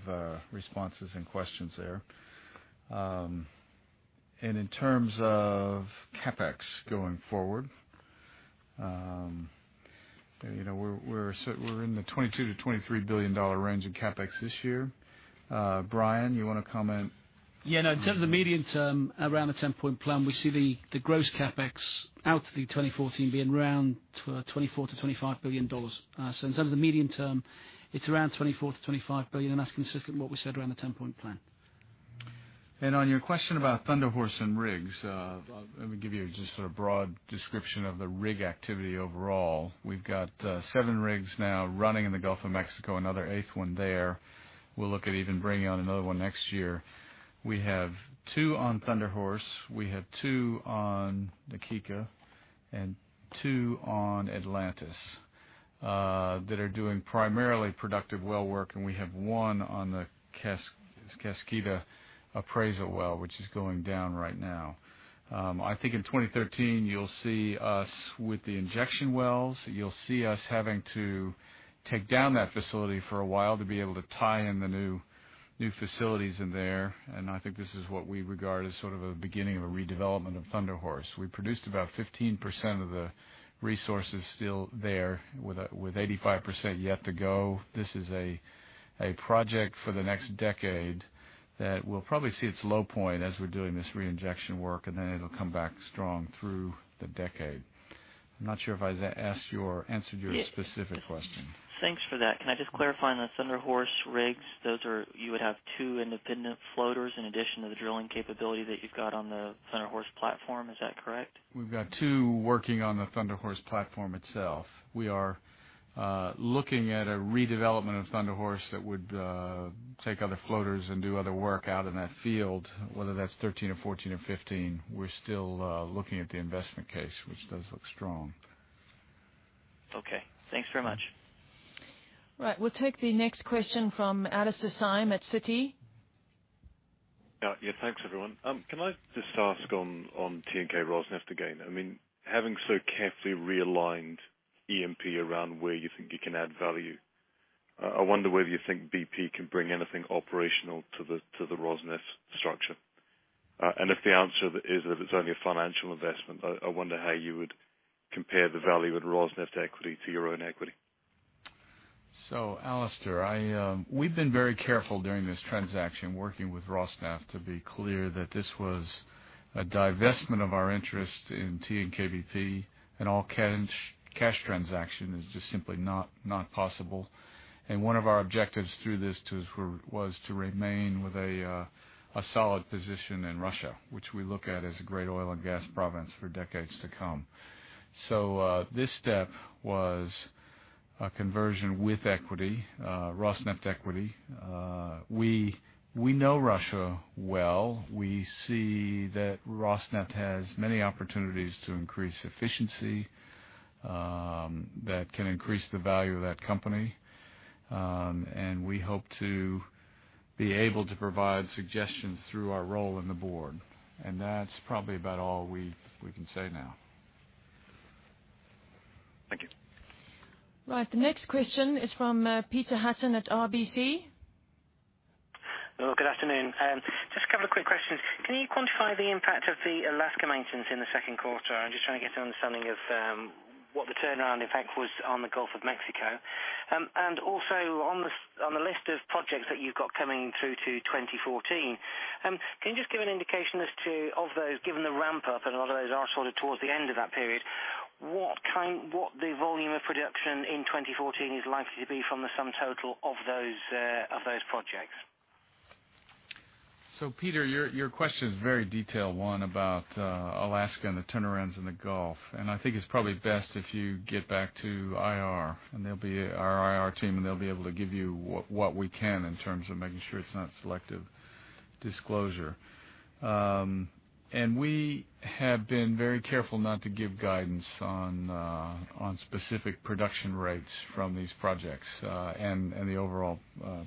responses and questions there. In terms of CapEx going forward, we're in the $22 billion-$23 billion range in CapEx this year. Brian, you want to comment? Yeah. In terms of the medium term, around the 10-point plan, we see the gross CapEx out to 2014 being around $24 billion-$25 billion. In terms of the medium term, it's around $24 billion-$25 billion, and that's consistent with what we said around the 10-point plan. On your question about Thunder Horse and rigs, let me give you just sort of a broad description of the rig activity overall. We've got seven rigs now running in the Gulf of Mexico, another eighth one there. We'll look at even bringing on another one next year. We have two on Thunder Horse. We have two on the Na Kika and two on Atlantis that are doing primarily productive well work, and we have one on the Kaskida appraisal well, which is going down right now. I think in 2013, you'll see us with the injection wells. You'll see us having to take down that facility for a while to be able to tie in the new facilities in there, I think this is what we regard as sort of a beginning of a redevelopment of Thunder Horse. We produced about 15% of the resources still there, with 85% yet to go. This is a project for the next decade that we'll probably see its low point as we're doing this reinjection work, and then it'll come back strong through the decade. I'm not sure if I answered your specific question. Thanks for that. Can I just clarify on the Thunder Horse rigs, you would have two independent floaters in addition to the drilling capability that you've got on the Thunder Horse platform. Is that correct? We've got two working on the Thunder Horse platform itself. We are looking at a redevelopment of Thunder Horse that would take other floaters and do other work out in that field, whether that's 13 or 14 or 15. We're still looking at the investment case, which does look strong. Okay. Thanks very much. Right. We'll take the next question from Alastair Syme at Citi. Yeah. Thanks, everyone. Can I just ask on TNK-Rosneft again. Having so carefully realigned E&P around where you think you can add value, I wonder whether you think BP can bring anything operational to the Rosneft structure. If the answer is that it's only a financial investment, I wonder how you would compare the value of Rosneft equity to your own equity. Alastair, we've been very careful during this transaction, working with Rosneft to be clear that this was a divestment of our interest in TNK-BP, an all-cash transaction is just simply not possible. One of our objectives through this was to remain with a solid position in Russia, which we look at as a great oil and gas province for decades to come. This step was a conversion with equity, Rosneft equity. We know Russia well. We see that Rosneft has many opportunities to increase efficiency that can increase the value of that company. We hope to be able to provide suggestions through our role in the board, and that's probably about all we can say now. Thank you. Right. The next question is from Peter Hutton at RBC. Hello, good afternoon. Just a couple of quick questions. Can you quantify the impact of the Alaska maintenance in the second quarter? I'm just trying to get an understanding of what the turnaround effect was on the Gulf of Mexico. Also on the list of projects that you've got coming through to 2014, can you just give an indication as to, of those, given the ramp-up and a lot of those are sort of towards the end of that period, what the volume of production in 2014 is likely to be from the sum total of those projects? Peter, your question is a very detailed one about Alaska and the turnarounds in the Gulf, and I think it's probably best if you get back to our IR team, and they'll be able to give you what we can in terms of making sure it's not selective disclosure. We have been very careful not to give guidance on specific production rates from these projects, and the overall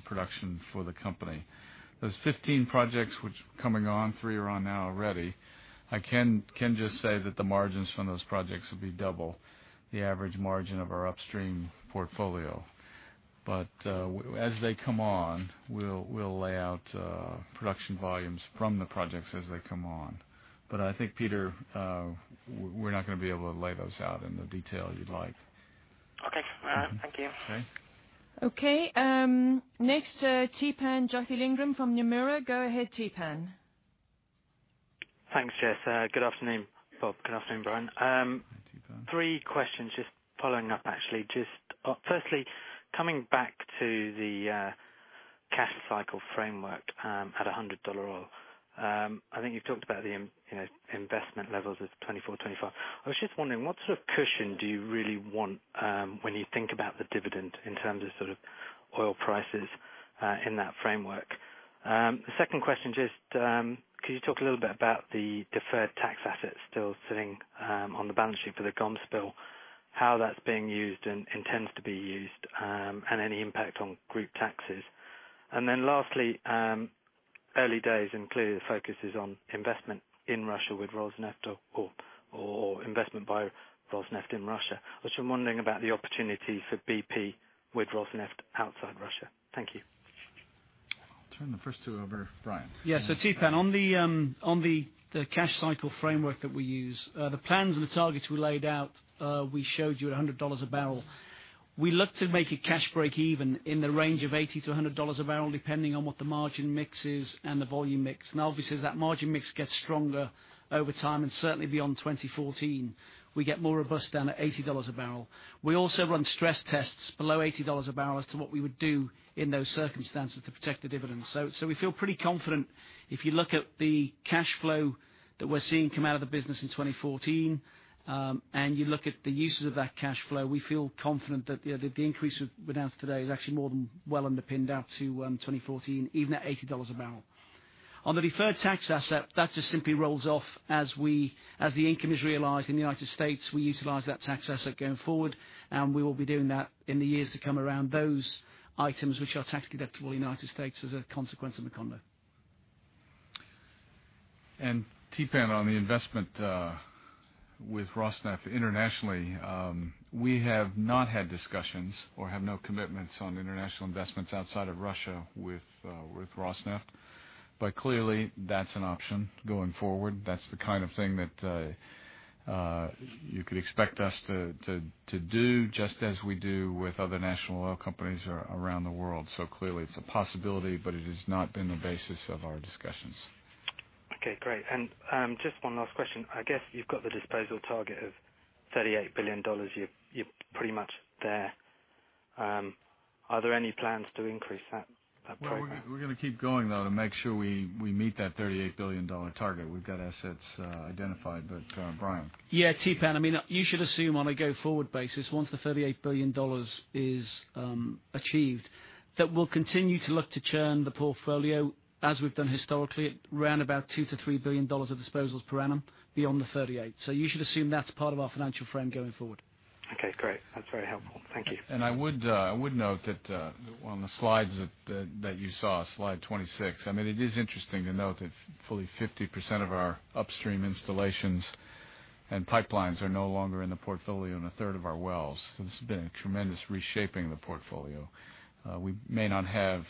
production for the company. Those 15 projects, which coming on, three are on now already, I can just say that the margins from those projects will be double the average margin of our upstream portfolio. As they come on, we'll lay out production volumes from the projects as they come on. I think, Peter, we're not going to be able to lay those out in the detail you'd like. Okay. All right. Thank you. Okay. Okay. Next, Theepan Jothilingam from Nomura. Go ahead, Theepan. Thanks, Jessica. Good afternoon, Bob. Good afternoon, Brian. Theepan. Three questions, just following up, actually. Just firstly, coming back to the Cash cycle framework at $100 oil. I think you've talked about the investment levels of 2024, 2025. I was just wondering, what sort of cushion do you really want when you think about the dividend in terms of oil prices in that framework? The second question, just could you talk a little bit about the deferred tax assets still sitting on the balance sheet for the Gulf spill, how that's being used, and intends to be used, and any impact on group taxes? Lastly, early days, and clearly the focus is on investment in Russia with Rosneft or investment by Rosneft in Russia. I was just wondering about the opportunity for BP with Rosneft outside Russia. Thank you. I'll turn the first two over to Brian. Theepan, on the cash cycle framework that we use, the plans and the targets we laid out, we showed you at $100 a barrel. We look to make a cash breakeven in the range of $80-$100 a barrel, depending on what the margin mix is and the volume mix. Obviously, as that margin mix gets stronger over time, and certainly beyond 2014, we get more robust down at $80 a barrel. We also run stress tests below $80 a barrel as to what we would do in those circumstances to protect the dividends. We feel pretty confident if you look at the cash flow that we're seeing come out of the business in 2014, and you look at the uses of that cash flow. We feel confident that the increase we've announced today is actually more than well underpinned out to 2014, even at $80 a barrel. On the deferred tax asset, that just simply rolls off as the income is realized in the United States, we utilize that tax asset going forward, and we will be doing that in the years to come around those items which are tax-deductible in the United States as a consequence of Macondo. Theepan, on the investment with Rosneft internationally, we have not had discussions or have no commitments on international investments outside of Russia with Rosneft. Clearly, that's an option going forward. That's the kind of thing that you could expect us to do, just as we do with other national oil companies around the world. Clearly it's a possibility, but it has not been the basis of our discussions. Okay, great. Just one last question. I guess you've got the disposal target of $38 billion. You're pretty much there. Are there any plans to increase that program? We're going to keep going, though, to make sure we meet that $38 billion target. We've got assets identified. Brian. Yeah. Theepan, you should assume on a go-forward basis, once the $38 billion is achieved, that we'll continue to look to churn the portfolio as we've done historically at round about $2 billion-$3 billion of disposals per annum beyond the 38. You should assume that's part of our financial frame going forward. Okay, great. That's very helpful. Thank you. I would note that on the slides that you saw, slide 26, it is interesting to note that fully 50% of our upstream installations and pipelines are no longer in the portfolio, and a third of our wells. This has been a tremendous reshaping of the portfolio. We may not have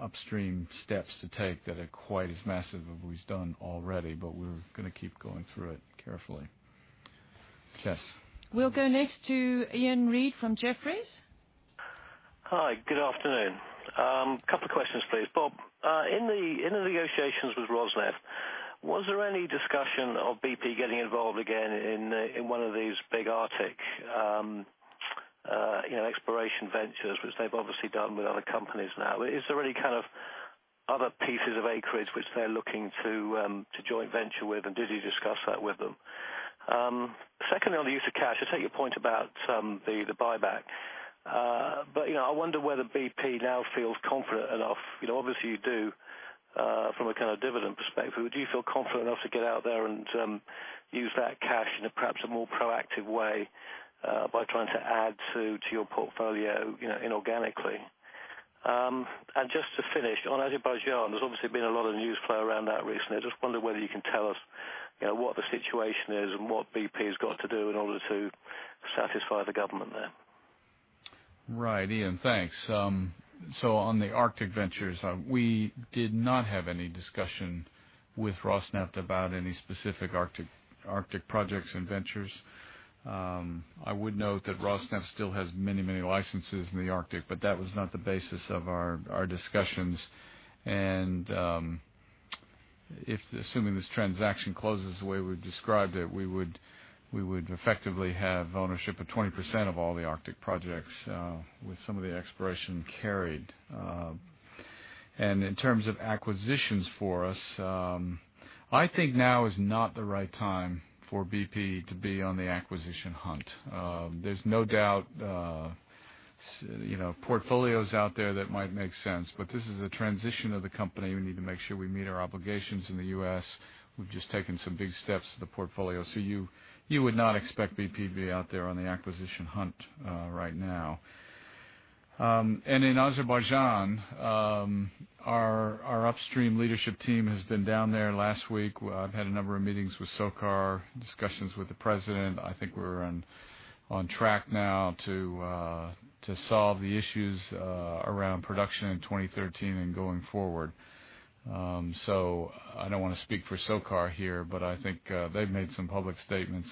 upstream steps to take that are quite as massive as we've done already, but we're going to keep going through it carefully. Jess. We'll go next to Iain Reid from Jefferies. Hi. Good afternoon. Couple of questions, please. Bob, in the negotiations with Rosneft, was there any discussion of BP getting involved again in one of these big Arctic exploration ventures, which they've obviously done with other companies now? Is there any kind of other pieces of acreage which they're looking to joint venture with, and did you discuss that with them? Secondly, on the use of cash, I take your point about the buyback. I wonder whether BP now feels confident enough. Obviously, you do from a kind of dividend perspective. Do you feel confident enough to get out there and use that cash in perhaps a more proactive way by trying to add to your portfolio inorganically? Just to finish, on Azerbaijan, there's obviously been a lot of news flow around that recently. I just wonder whether you can tell us what the situation is and what BP's got to do in order to satisfy the government there. Right. Iain, thanks. On the Arctic ventures, we did not have any discussion with Rosneft about any specific Arctic projects and ventures. I would note that Rosneft still has many licenses in the Arctic, but that was not the basis of our discussions. If assuming this transaction closes the way we've described it, we would effectively have ownership of 20% of all the Arctic projects, with some of the exploration carried. In terms of acquisitions for us, I think now is not the right time for BP to be on the acquisition hunt. There's no doubt portfolios out there that might make sense, but this is a transition of the company. We need to make sure we meet our obligations in the U.S. We've just taken some big steps to the portfolio. You would not expect BP to be out there on the acquisition hunt right now. In Azerbaijan, our upstream leadership team has been down there last week. I've had a number of meetings with SOCAR, discussions with the president. I think we're on track now to solve the issues around production in 2013 and going forward. I don't want to speak for SOCAR here, but I think they've made some public statements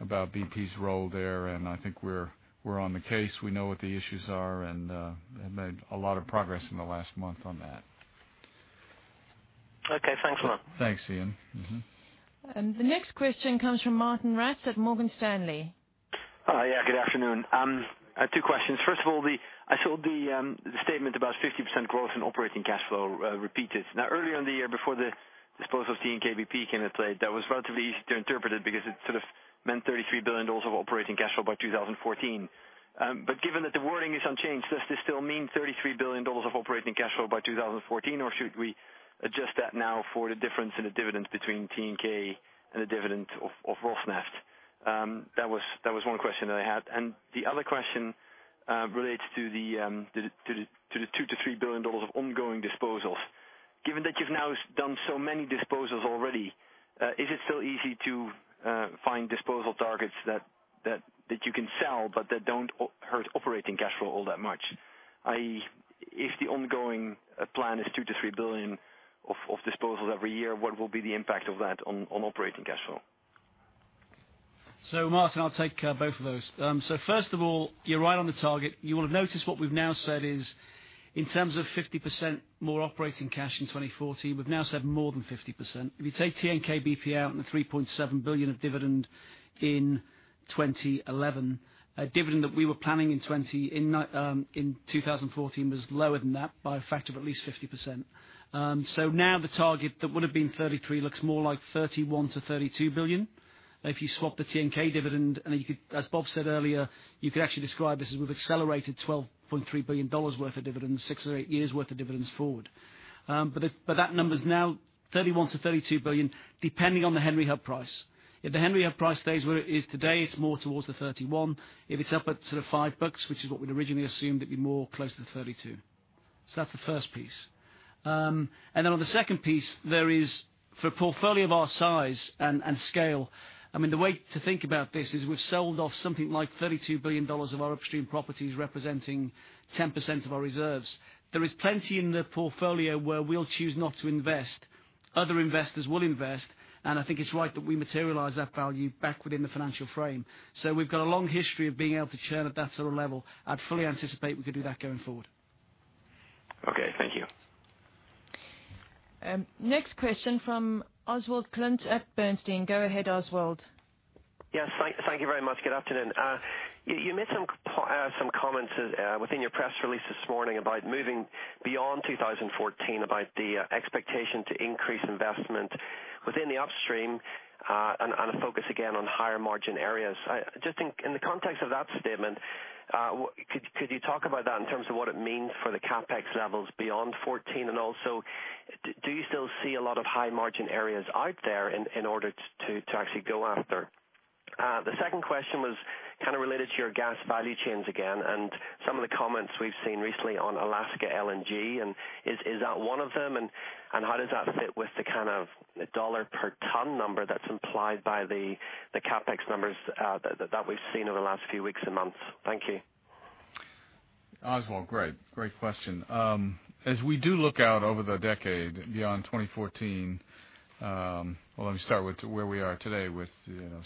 about BP's role there, and I think we're on the case. We know what the issues are, and have made a lot of progress in the last month on that. Thanks a lot. Thanks, Iain. The next question comes from Martijn Rats at Morgan Stanley. Good afternoon. I have two questions. First of all, I saw the statement about 50% growth in operating cash flow repeated. Earlier in the year before the disposal of TNK-BP came into play, that was relatively easy to interpret it because it sort of meant $33 billion of operating cash flow by 2014. Given that the wording is unchanged, does this still mean $33 billion of operating cash flow by 2014? Should we adjust that now for the difference in the dividends between TNK and the dividend of Rosneft? That was one question that I had. The other question relates to the $2 billion-$3 billion of ongoing disposals. Given that you've now done so many disposals already, is it still easy to find disposal targets that you can sell but that don't hurt operating cash flow all that much? I.e., if the ongoing plan is $2 billion-$3 billion of disposals every year, what will be the impact of that on operating cash flow? Martijn, I'll take both of those. First of all, you're right on the target. You will have noticed what we've now said is, in terms of 50% more operating cash in 2014, we've now said more than 50%. If you take TNK-BP out and the $3.7 billion of dividend in 2011. A dividend that we were planning in 2014 was lower than that by a factor of at least 50%. Now the target that would've been $33 billion looks more like $31 billion-$32 billion. If you swap the TNK dividend, as Bob said earlier, you could actually describe this as we've accelerated $12.3 billion worth of dividends, six or eight years worth of dividends forward. That number's now $31 billion-$32 billion, depending on the Henry Hub price. If the Henry Hub price stays where it is today, it's more towards the $31 billion. If it's up at sort of $5, which is what we'd originally assumed, it'd be more closer to $32 billion. That's the first piece. On the second piece, for a portfolio of our size and scale, the way to think about this is we've sold off something like $32 billion of our Upstream properties, representing 10% of our reserves. There is plenty in the portfolio where we'll choose not to invest. Other investors will invest, and I think it's right that we materialize that value back within the financial frame. We've got a long history of being able to churn at that sort of level. I'd fully anticipate we could do that going forward. Okay, thank you. Next question from Oswald Clint at Bernstein. Go ahead, Oswald. Yes. Thank you very much. Good afternoon. You made some comments within your press release this morning about moving beyond 2014 about the expectation to increase investment within the Upstream, and a focus again on higher margin areas. Just in the context of that statement, could you talk about that in terms of what it means for the CapEx levels beyond 2014, and also, do you still see a lot of high margin areas out there in order to actually go after? The second question was kind of related to your gas value chains again, and some of the comments we've seen recently on Alaska LNG, and is that one of them and how does that fit with the kind of dollar per ton number that's implied by the CapEx numbers that we've seen over the last few weeks and months? Thank you. Oswald, great question. As we do look out over the decade beyond 2014, well, let me start with where we are today with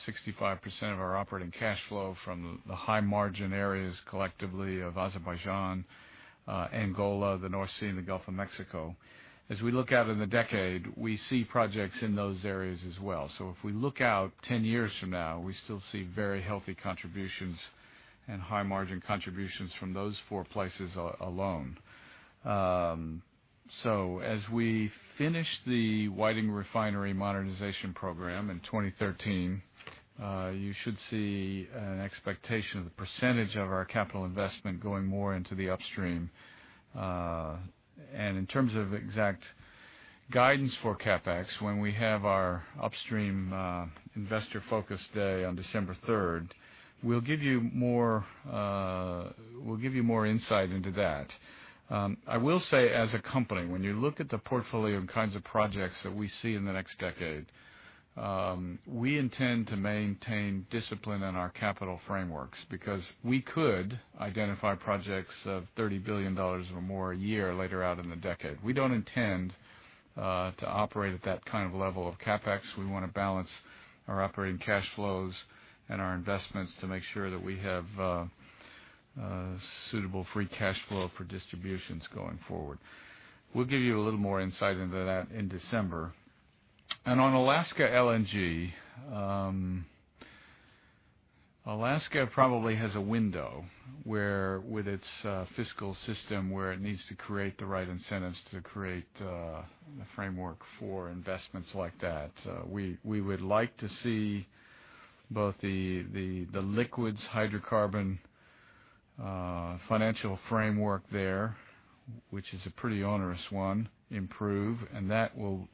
65% of our operating cash flow from the high margin areas collectively of Azerbaijan, Angola, the North Sea, and the Gulf of Mexico. As we look out 10 years from now, we still see very healthy contributions and high margin contributions from those four places alone. As we finish the Whiting Refinery modernization program in 2013, you should see an expectation of the percentage of our capital investment going more into the Upstream. In terms of exact guidance for CapEx, when we have our Upstream investor focus day on December 3rd, we'll give you more insight into that. I will say, as a company, when you look at the portfolio and kinds of projects that we see in the next decade, we intend to maintain discipline in our capital frameworks because we could identify projects of $30 billion or more a year later out in the decade. We don't intend to operate at that kind of level of CapEx. We want to balance our operating cash flows and our investments to make sure that we have suitable free cash flow for distributions going forward. We'll give you a little more insight into that in December. On Alaska LNG, Alaska probably has a window with its fiscal system, where it needs to create the right incentives to create a framework for investments like that. We would like to see both the liquids hydrocarbon financial framework there, which is a pretty onerous one, improve, that will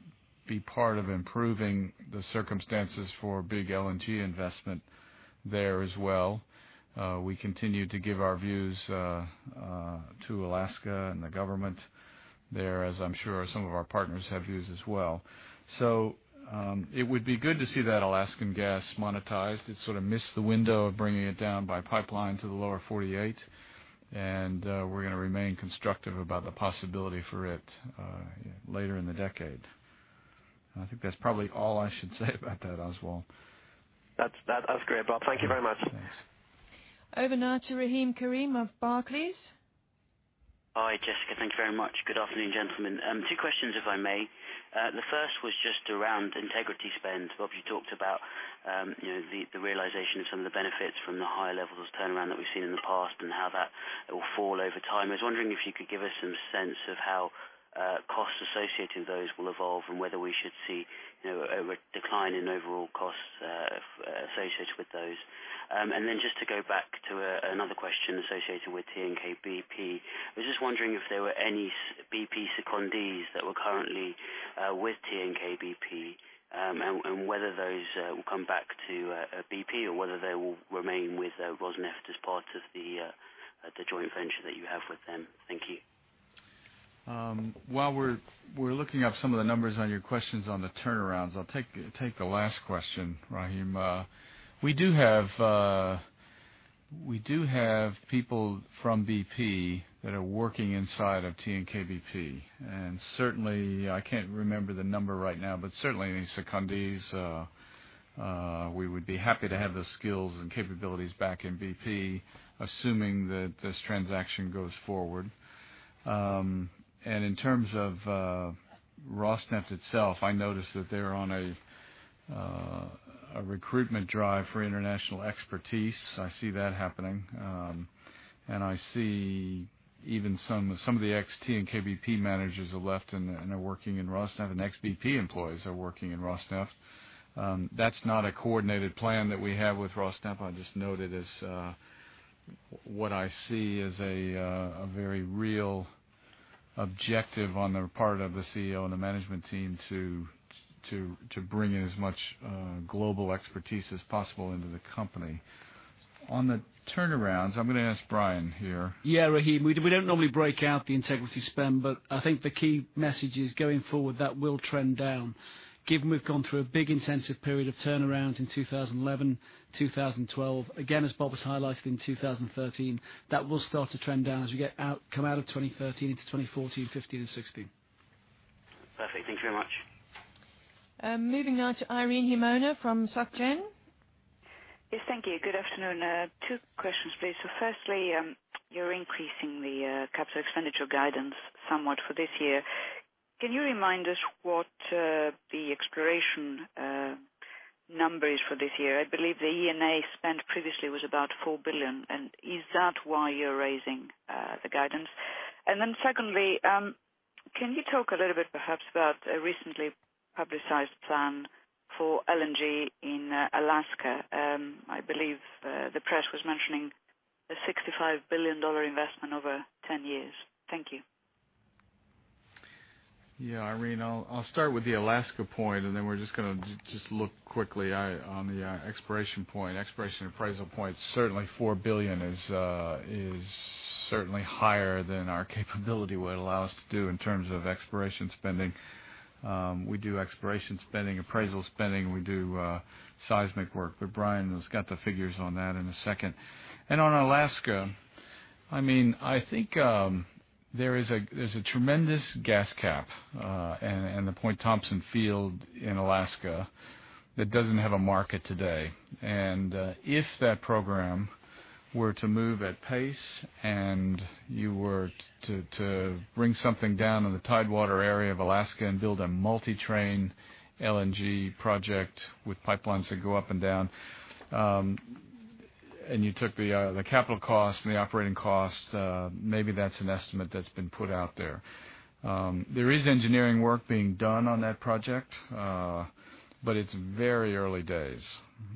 be part of improving the circumstances for big LNG investment there as well. We continue to give our views to Alaska and the government there, as I'm sure some of our partners have views as well. It would be good to see that Alaskan gas monetized. It sort of missed the window of bringing it down by pipeline to the lower 48, we're going to remain constructive about the possibility for it later in the decade. I think that's probably all I should say about that, Oswald. That's great, Bob. Thank you very much. Thanks. Over now to Rahim Karim of Barclays. Hi, Jessica. Thank you very much. Good afternoon, gentlemen. Two questions, if I may. The first was just around integrity spend. Bob, you talked about the realization of some of the benefits from the higher levels of turnaround that we've seen in the past, and how that will fall over time. I was wondering if you could give us some sense of how costs associated with those will evolve, and whether we should see a decline in overall costs associated with those. Then just to go back to another question associated with TNK-BP. I was just wondering if there were any BP secondees that were currently with TNK-BP, and whether those will come back to BP, or whether they will remain with Rosneft as part of the joint venture that you have with them. Thank you. While we're looking up some of the numbers on your questions on the turnarounds, I'll take the last question, Rahim. We do have people from BP that are working inside of TNK-BP. Certainly, I can't remember the number right now, but certainly any secondees, we would be happy to have the skills and capabilities back in BP, assuming that this transaction goes forward. In terms of Rosneft itself, I noticed that they're on a recruitment drive for international expertise. I see that happening. I see even some of the ex TNK-BP managers have left and are working in Rosneft, and ex BP employees are working in Rosneft. That's not a coordinated plan that we have with Rosneft. I just noted as what I see as a very real objective on the part of the CEO and the management team to bring in as much global expertise as possible into the company. On the turnarounds, I'm going to ask Brian here. Yeah, Rahim. We don't normally break out the integrity spend, but I think the key message is, going forward, that will trend down. Given we've gone through a big intensive period of turnarounds in 2011, 2012, again, as Bob has highlighted, in 2013. That will start to trend down as you come out of 2013 into 2014, 2015, and 2016. Perfect. Thank you very much. Moving now to Irene Himona from Societe Generale. Yes, thank you. Good afternoon. Two questions, please. Firstly, you're increasing the capital expenditure guidance somewhat for this year. Can you remind us what the exploration number is for this year? I believe the E&A spend previously was about $4 billion. Is that why you're raising the guidance? Secondly, can you talk a little bit perhaps about a recently publicized plan for LNG in Alaska? I believe the press was mentioning a $65 billion investment over 10 years. Thank you. Irene. I'll start with the Alaska point. Then we're just going to look quickly on the exploration point, exploration appraisal point. Certainly, $4 billion is certainly higher than our capability would allow us to do in terms of exploration spending. We do exploration spending, appraisal spending, we do seismic work. Brian has got the figures on that in a second. On Alaska, I think there's a tremendous gas cap in the Point Thomson field in Alaska that doesn't have a market today. If that program were to move at pace and you were to bring something down in the Tidewater area of Alaska and build a multi-train LNG project with pipelines that go up and down, you took the capital cost and the operating cost, maybe that's an estimate that's been put out there. There is engineering work being done on that project. It's very early days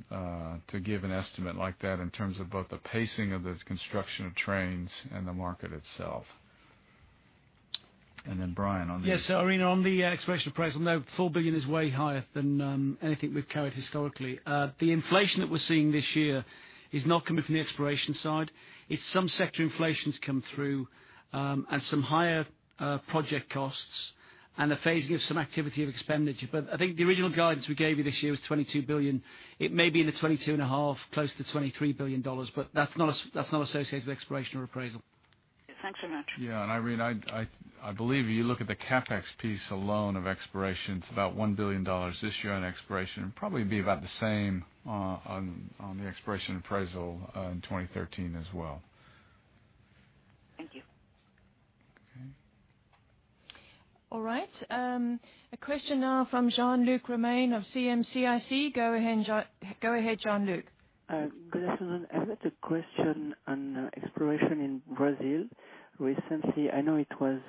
to give an estimate like that in terms of both the pacing of the construction of trains and the market itself. Brian on the- Yes, Irene, on the exploration appraisal note, $4 billion is way higher than anything we've carried historically. The inflation that we're seeing this year is not coming from the exploration side. It's some sector inflation's come through, and some higher project costs, and the phasing of some activity of expenditure. I think the original guidance we gave you this year was $22 billion. It may be in the $22 and a half billion, close to $23 billion, but that's not associated with exploration or appraisal. Thanks so much. Irene, I believe you look at the CapEx piece alone of exploration. It's about $1 billion this year on exploration, and probably be about the same on the exploration appraisal in 2013 as well. Thank you. Okay. All right. A question now from Jean-Luc Romain of CM-CIC. Go ahead, Jean-Luc. Good afternoon. I've got a question on exploration in Brazil. Recently, I know it was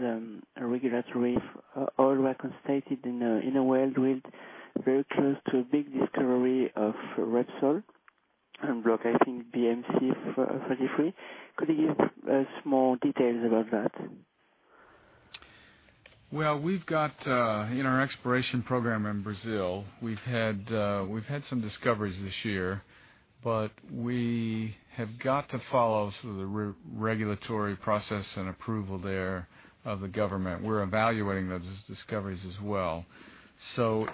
a regulatory oil well constituted in a well drilled very close to a big discovery of Repsol and block, I think, BM-C-33. Could you give us more details about that? Well, we've got in our exploration program in Brazil, we've had some discoveries this year. We have got to follow sort of the regulatory process and approval there of the government. We're evaluating those discoveries as well.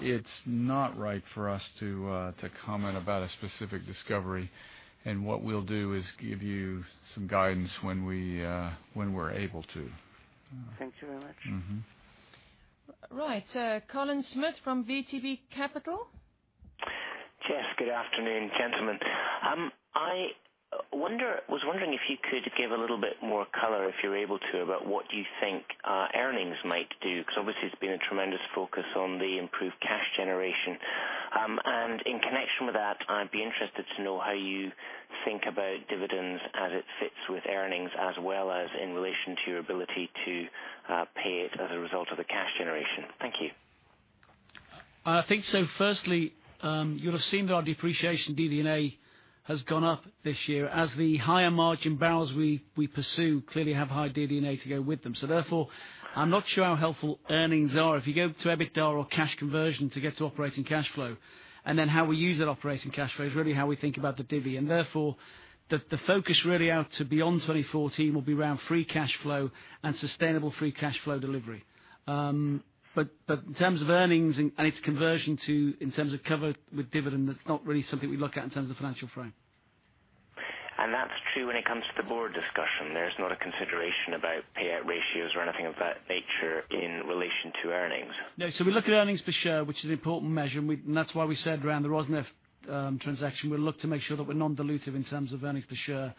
It's not right for us to comment about a specific discovery, and what we'll do is give you some guidance when we're able to. Thank you very much. Right. Colin Smith from VTB Capital? Good afternoon, gentlemen. I was wondering if you could give a little bit more color, if you're able to, about what you think earnings might do, because obviously there's been a tremendous focus on the improved cash generation. In connection with that, I'd be interested to know how you think about dividends as it fits with earnings as well as in relation to your ability to pay it as a result of the cash generation. Thank you. I think so. Firstly, you'll have seen that our depreciation, DD&A, has gone up this year as the higher margin barrels we pursue clearly have high DD&A to go with them. Therefore, I'm not sure how helpful earnings are. If you go to EBITDA or cash conversion to get to operating cash flow, then how we use that operating cash flow is really how we think about the divvy. Therefore, the focus really out to beyond 2014 will be around free cash flow and sustainable free cash flow delivery. In terms of earnings and its conversion to, in terms of cover with dividend, that's not really something we look at in terms of the financial frame. That's true when it comes to the board discussion. There's not a consideration about payout ratios or anything of that nature in relation to earnings? No. We look at earnings per share, which is an important measure, and that's why we said around the Rosneft transaction, we'll look to make sure that we're non-dilutive in terms of earnings per share,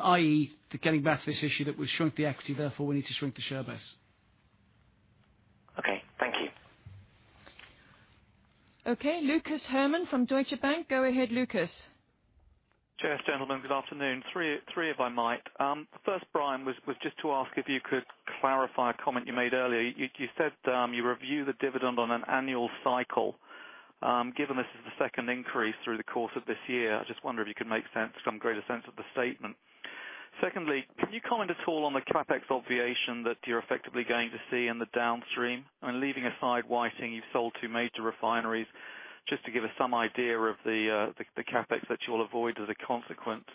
i.e., to getting back to this issue that we've shrunk the equity, therefore we need to shrink the share base. Okay. Thank you. Okay. Lucas Herrmann from Deutsche Bank. Go ahead, Lucas. Cheers, gentlemen. Good afternoon. Three, if I might. The first, Brian, was just to ask if you could clarify a comment you made earlier. You said you review the dividend on an annual cycle. Given this is the second increase through the course of this year, I just wonder if you could make some greater sense of the statement. Secondly, can you comment at all on the CapEx obviation that you're effectively going to see in the downstream? Leaving aside Whiting, you've sold two major refineries, just to give us some idea of the CapEx that you'll avoid as a consequence.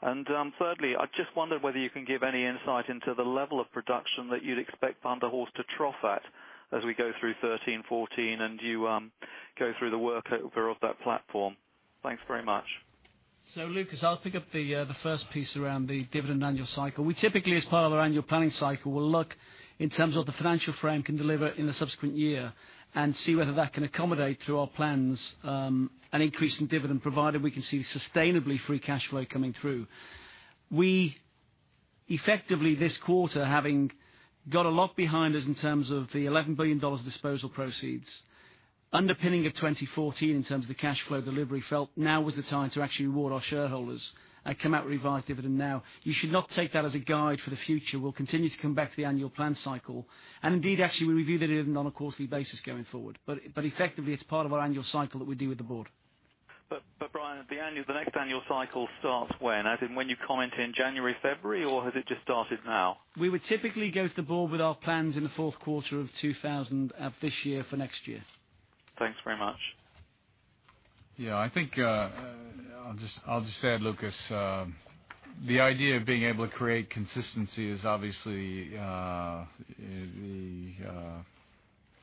Thirdly, I just wondered whether you can give any insight into the level of production that you'd expect Thunder Horse to trough at as we go through 2013, 2014, and you go through the workover of that platform. Thanks very much. Lucas, I'll pick up the first piece around the dividend annual cycle. We typically, as part of our annual planning cycle, will look in terms of the financial frame can deliver in the subsequent year and see whether that can accommodate through our plans an increase in dividend provided we can see sustainably free cash flow coming through. We effectively this quarter, having got a lot behind us in terms of the $11 billion disposal proceeds underpinning of 2014 in terms of the cash flow delivery felt now was the time to actually reward our shareholders and come out with revised dividend now. You should not take that as a guide for the future. We'll continue to come back to the annual plan cycle. Indeed, actually, we review the dividend on a quarterly basis going forward. Effectively, it's part of our annual cycle that we do with the board. Brian, the next annual cycle starts when? As in when you comment in January, February, or has it just started now? We would typically go to the Board with our plans in the fourth quarter of this year for next year. Thanks very much. Yeah, I think I'll just add, Lucas, the idea of being able to create consistency is obviously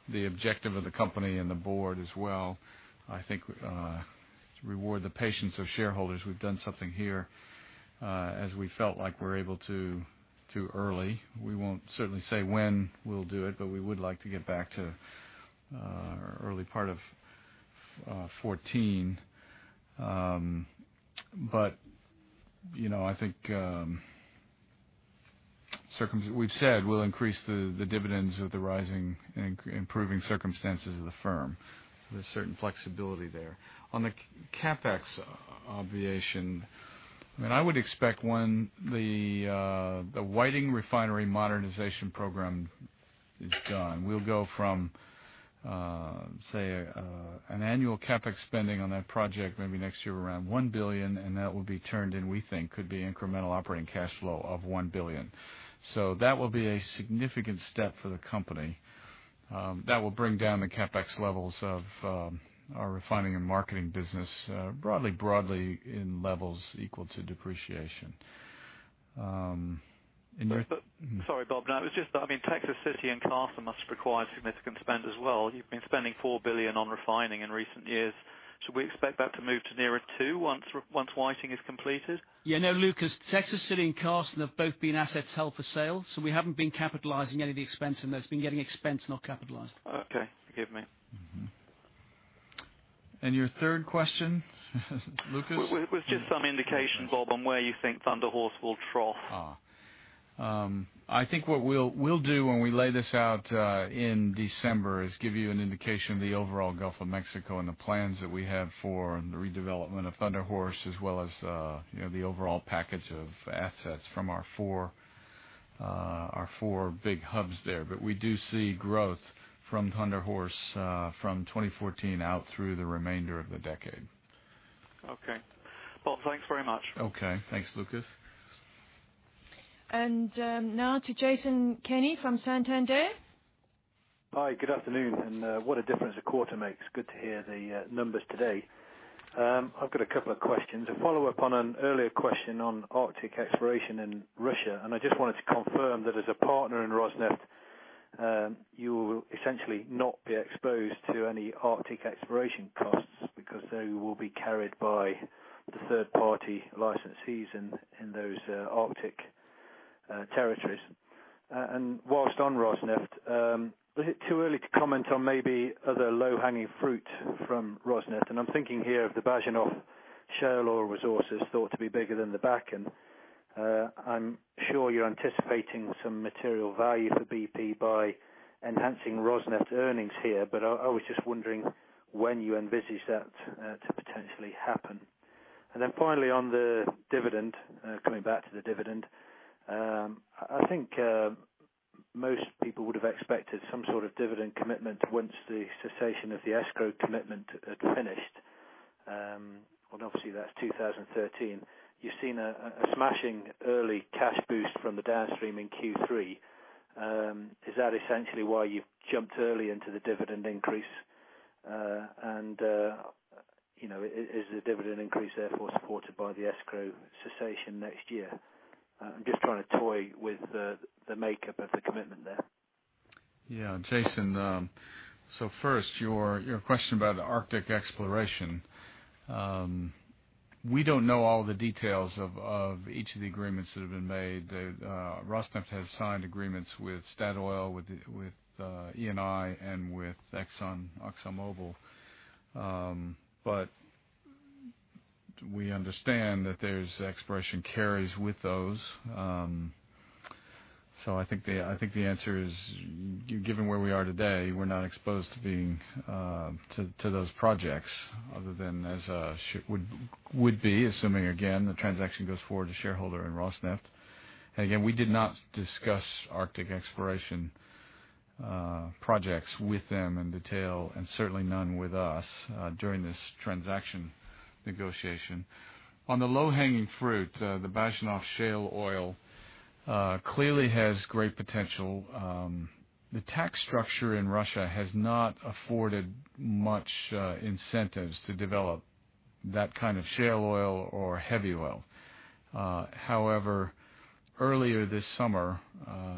the objective of the company and the Board as well. I think to reward the patience of shareholders, we've done something here, as we felt like we're able to early. We won't certainly say when we'll do it, but we would like to get back to early part of 2014. I think we've said we'll increase the dividends with the rising and improving circumstances of the firm. There's certain flexibility there. On the CapEx obviation, I would expect when the Whiting Refinery Modernization Program is done. We'll go from, say, an annual CapEx spending on that project maybe next year around $1 billion, and that will be turned in, we think could be incremental operating cash flow of $1 billion. That will be a significant step for the company. That will bring down the CapEx levels of our refining and marketing business broadly in levels equal to depreciation. Sorry, Bob. It was just that, Texas City and Carson must require significant spend as well. You've been spending $4 billion on refining in recent years. Should we expect that to move to nearer $2 billion once Whiting is completed? Yeah, no, Lucas, Texas City and Carson have both been assets held for sale, we haven't been capitalizing any of the expense, that's been getting expensed, not capitalized. Okay. Forgive me. Mm-hmm. Your third question, Lucas? Was just some indication, Bob, on where you think Thunder Horse will trough? I think what we'll do when we lay this out in December is give you an indication of the overall Gulf of Mexico and the plans that we have for the redevelopment of Thunder Horse, as well as the overall package of assets from our four big hubs there. We do see growth from Thunder Horse from 2014 out through the remainder of the decade. Okay. Bob, thanks very much. Okay. Thanks, Lucas. Now to Jason Kenney from Santander. Hi. Good afternoon. What a difference a quarter makes. Good to hear the numbers today. I've got a couple of questions. A follow-up on an earlier question on Arctic exploration in Russia. I just wanted to confirm that as a partner in Rosneft, you will essentially not be exposed to any Arctic exploration costs because they will be carried by the third-party licensees in those Arctic territories. Whilst on Rosneft, is it too early to comment on maybe other low-hanging fruit from Rosneft? I'm thinking here of the Bazhenov shale oil resources thought to be bigger than the Bakken. I'm sure you're anticipating some material value for BP by enhancing Rosneft's earnings here, but I was just wondering when you envisage that to potentially happen. Finally on the dividend, coming back to the dividend. I think most people would have expected some sort of dividend commitment once the cessation of the escrow commitment had finished. Obviously that's 2013. You've seen a smashing early cash boost from the downstream in Q3. Is that essentially why you've jumped early into the dividend increase? Is the dividend increase therefore supported by the escrow cessation next year? I'm just trying to toy with the makeup of the commitment there. Jason, first, your question about Arctic exploration. We don't know all the details of each of the agreements that have been made. Rosneft has signed agreements with Statoil, with Eni and with ExxonMobil. We understand that there's exploration carries with those. I think the answer is, given where we are today, we're not exposed to those projects other than as would be, assuming, again, the transaction goes forward to shareholder and Rosneft. Again, we did not discuss Arctic exploration projects with them in detail, and certainly none with us, during this transaction negotiation. On the low-hanging fruit, the Bazhenov shale oil clearly has great potential. The tax structure in Russia has not afforded much incentives to develop that kind of shale oil or heavy oil. Earlier this summer,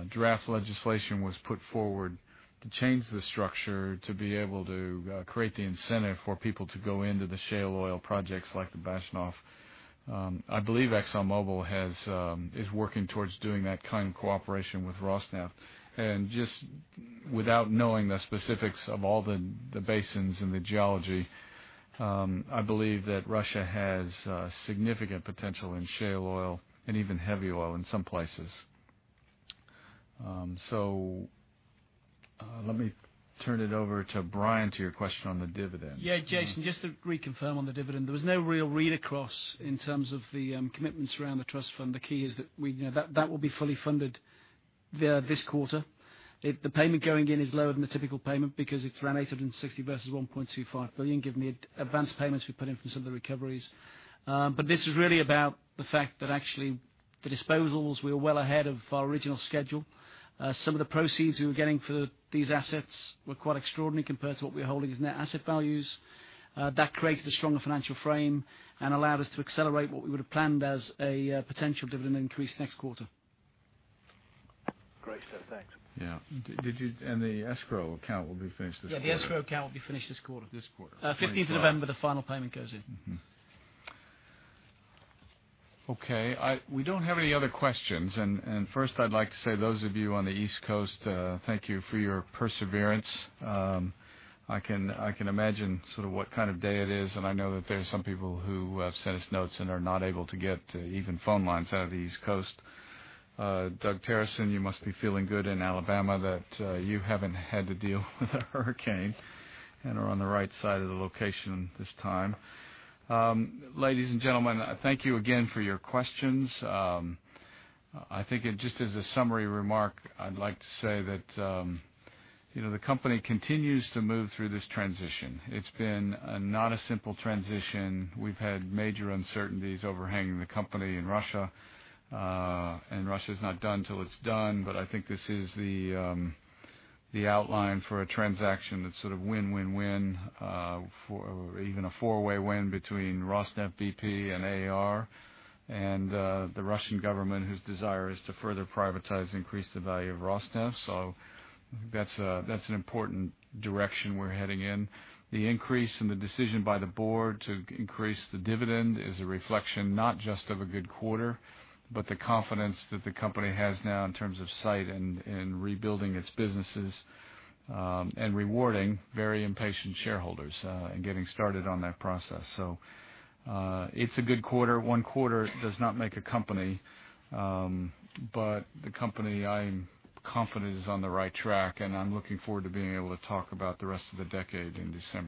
draft legislation was put forward to change the structure to be able to create the incentive for people to go into the shale oil projects like the Bazhenov. I believe ExxonMobil is working towards doing that kind of cooperation with Rosneft. Just without knowing the specifics of all the basins and the geology, I believe that Russia has significant potential in shale oil and even heavy oil in some places. Let me turn it over to Brian, to your question on the dividend. Yeah. Jason, just to reconfirm on the dividend, there was no real read-across in terms of the commitments around the trust fund. The key is that will be fully funded this quarter. The payment going in is lower than the typical payment because it's around $860 versus $1.25 billion, given the advance payments we put in for some of the recoveries. This is really about the fact that actually the disposals, we are well ahead of our original schedule. Some of the proceeds we were getting for these assets were quite extraordinary compared to what we were holding as net asset values. That created a stronger financial frame and allowed us to accelerate what we would have planned as a potential dividend increase next quarter. Great. Thanks. Yeah. The escrow account will be finished this quarter? Yeah. The escrow account will be finished this quarter. This quarter. 15th of November, the final payment goes in. Mm-hmm. Okay. We don't have any other questions. First I'd like to say, those of you on the East Coast, thank you for your perseverance. I can imagine sort of what kind of day it is, and I know that there's some people who have sent us notes and are not able to get even phone lines out of the East Coast. Doug Terreson, you must be feeling good in Alabama that you haven't had to deal with a hurricane and are on the right side of the location this time. Ladies and gentlemen, thank you again for your questions. I think just as a summary remark, I'd like to say that the company continues to move through this transition. It's been not a simple transition. We've had major uncertainties overhanging the company in Russia. Russia's not done till it's done. I think this is the outline for a transaction that's sort of win-win-win, or even a four-way win between Rosneft, BP and AAR, and the Russian government, whose desire is to further privatize, increase the value of Rosneft. That's an important direction we're heading in. The increase in the decision by the board to increase the dividend is a reflection not just of a good quarter, but the confidence that the company has now in terms of sight and in rebuilding its businesses, and rewarding very impatient shareholders, and getting started on that process. It's a good quarter. One quarter does not make a company. The company, I'm confident, is on the right track, and I'm looking forward to being able to talk about the rest of the decade in December.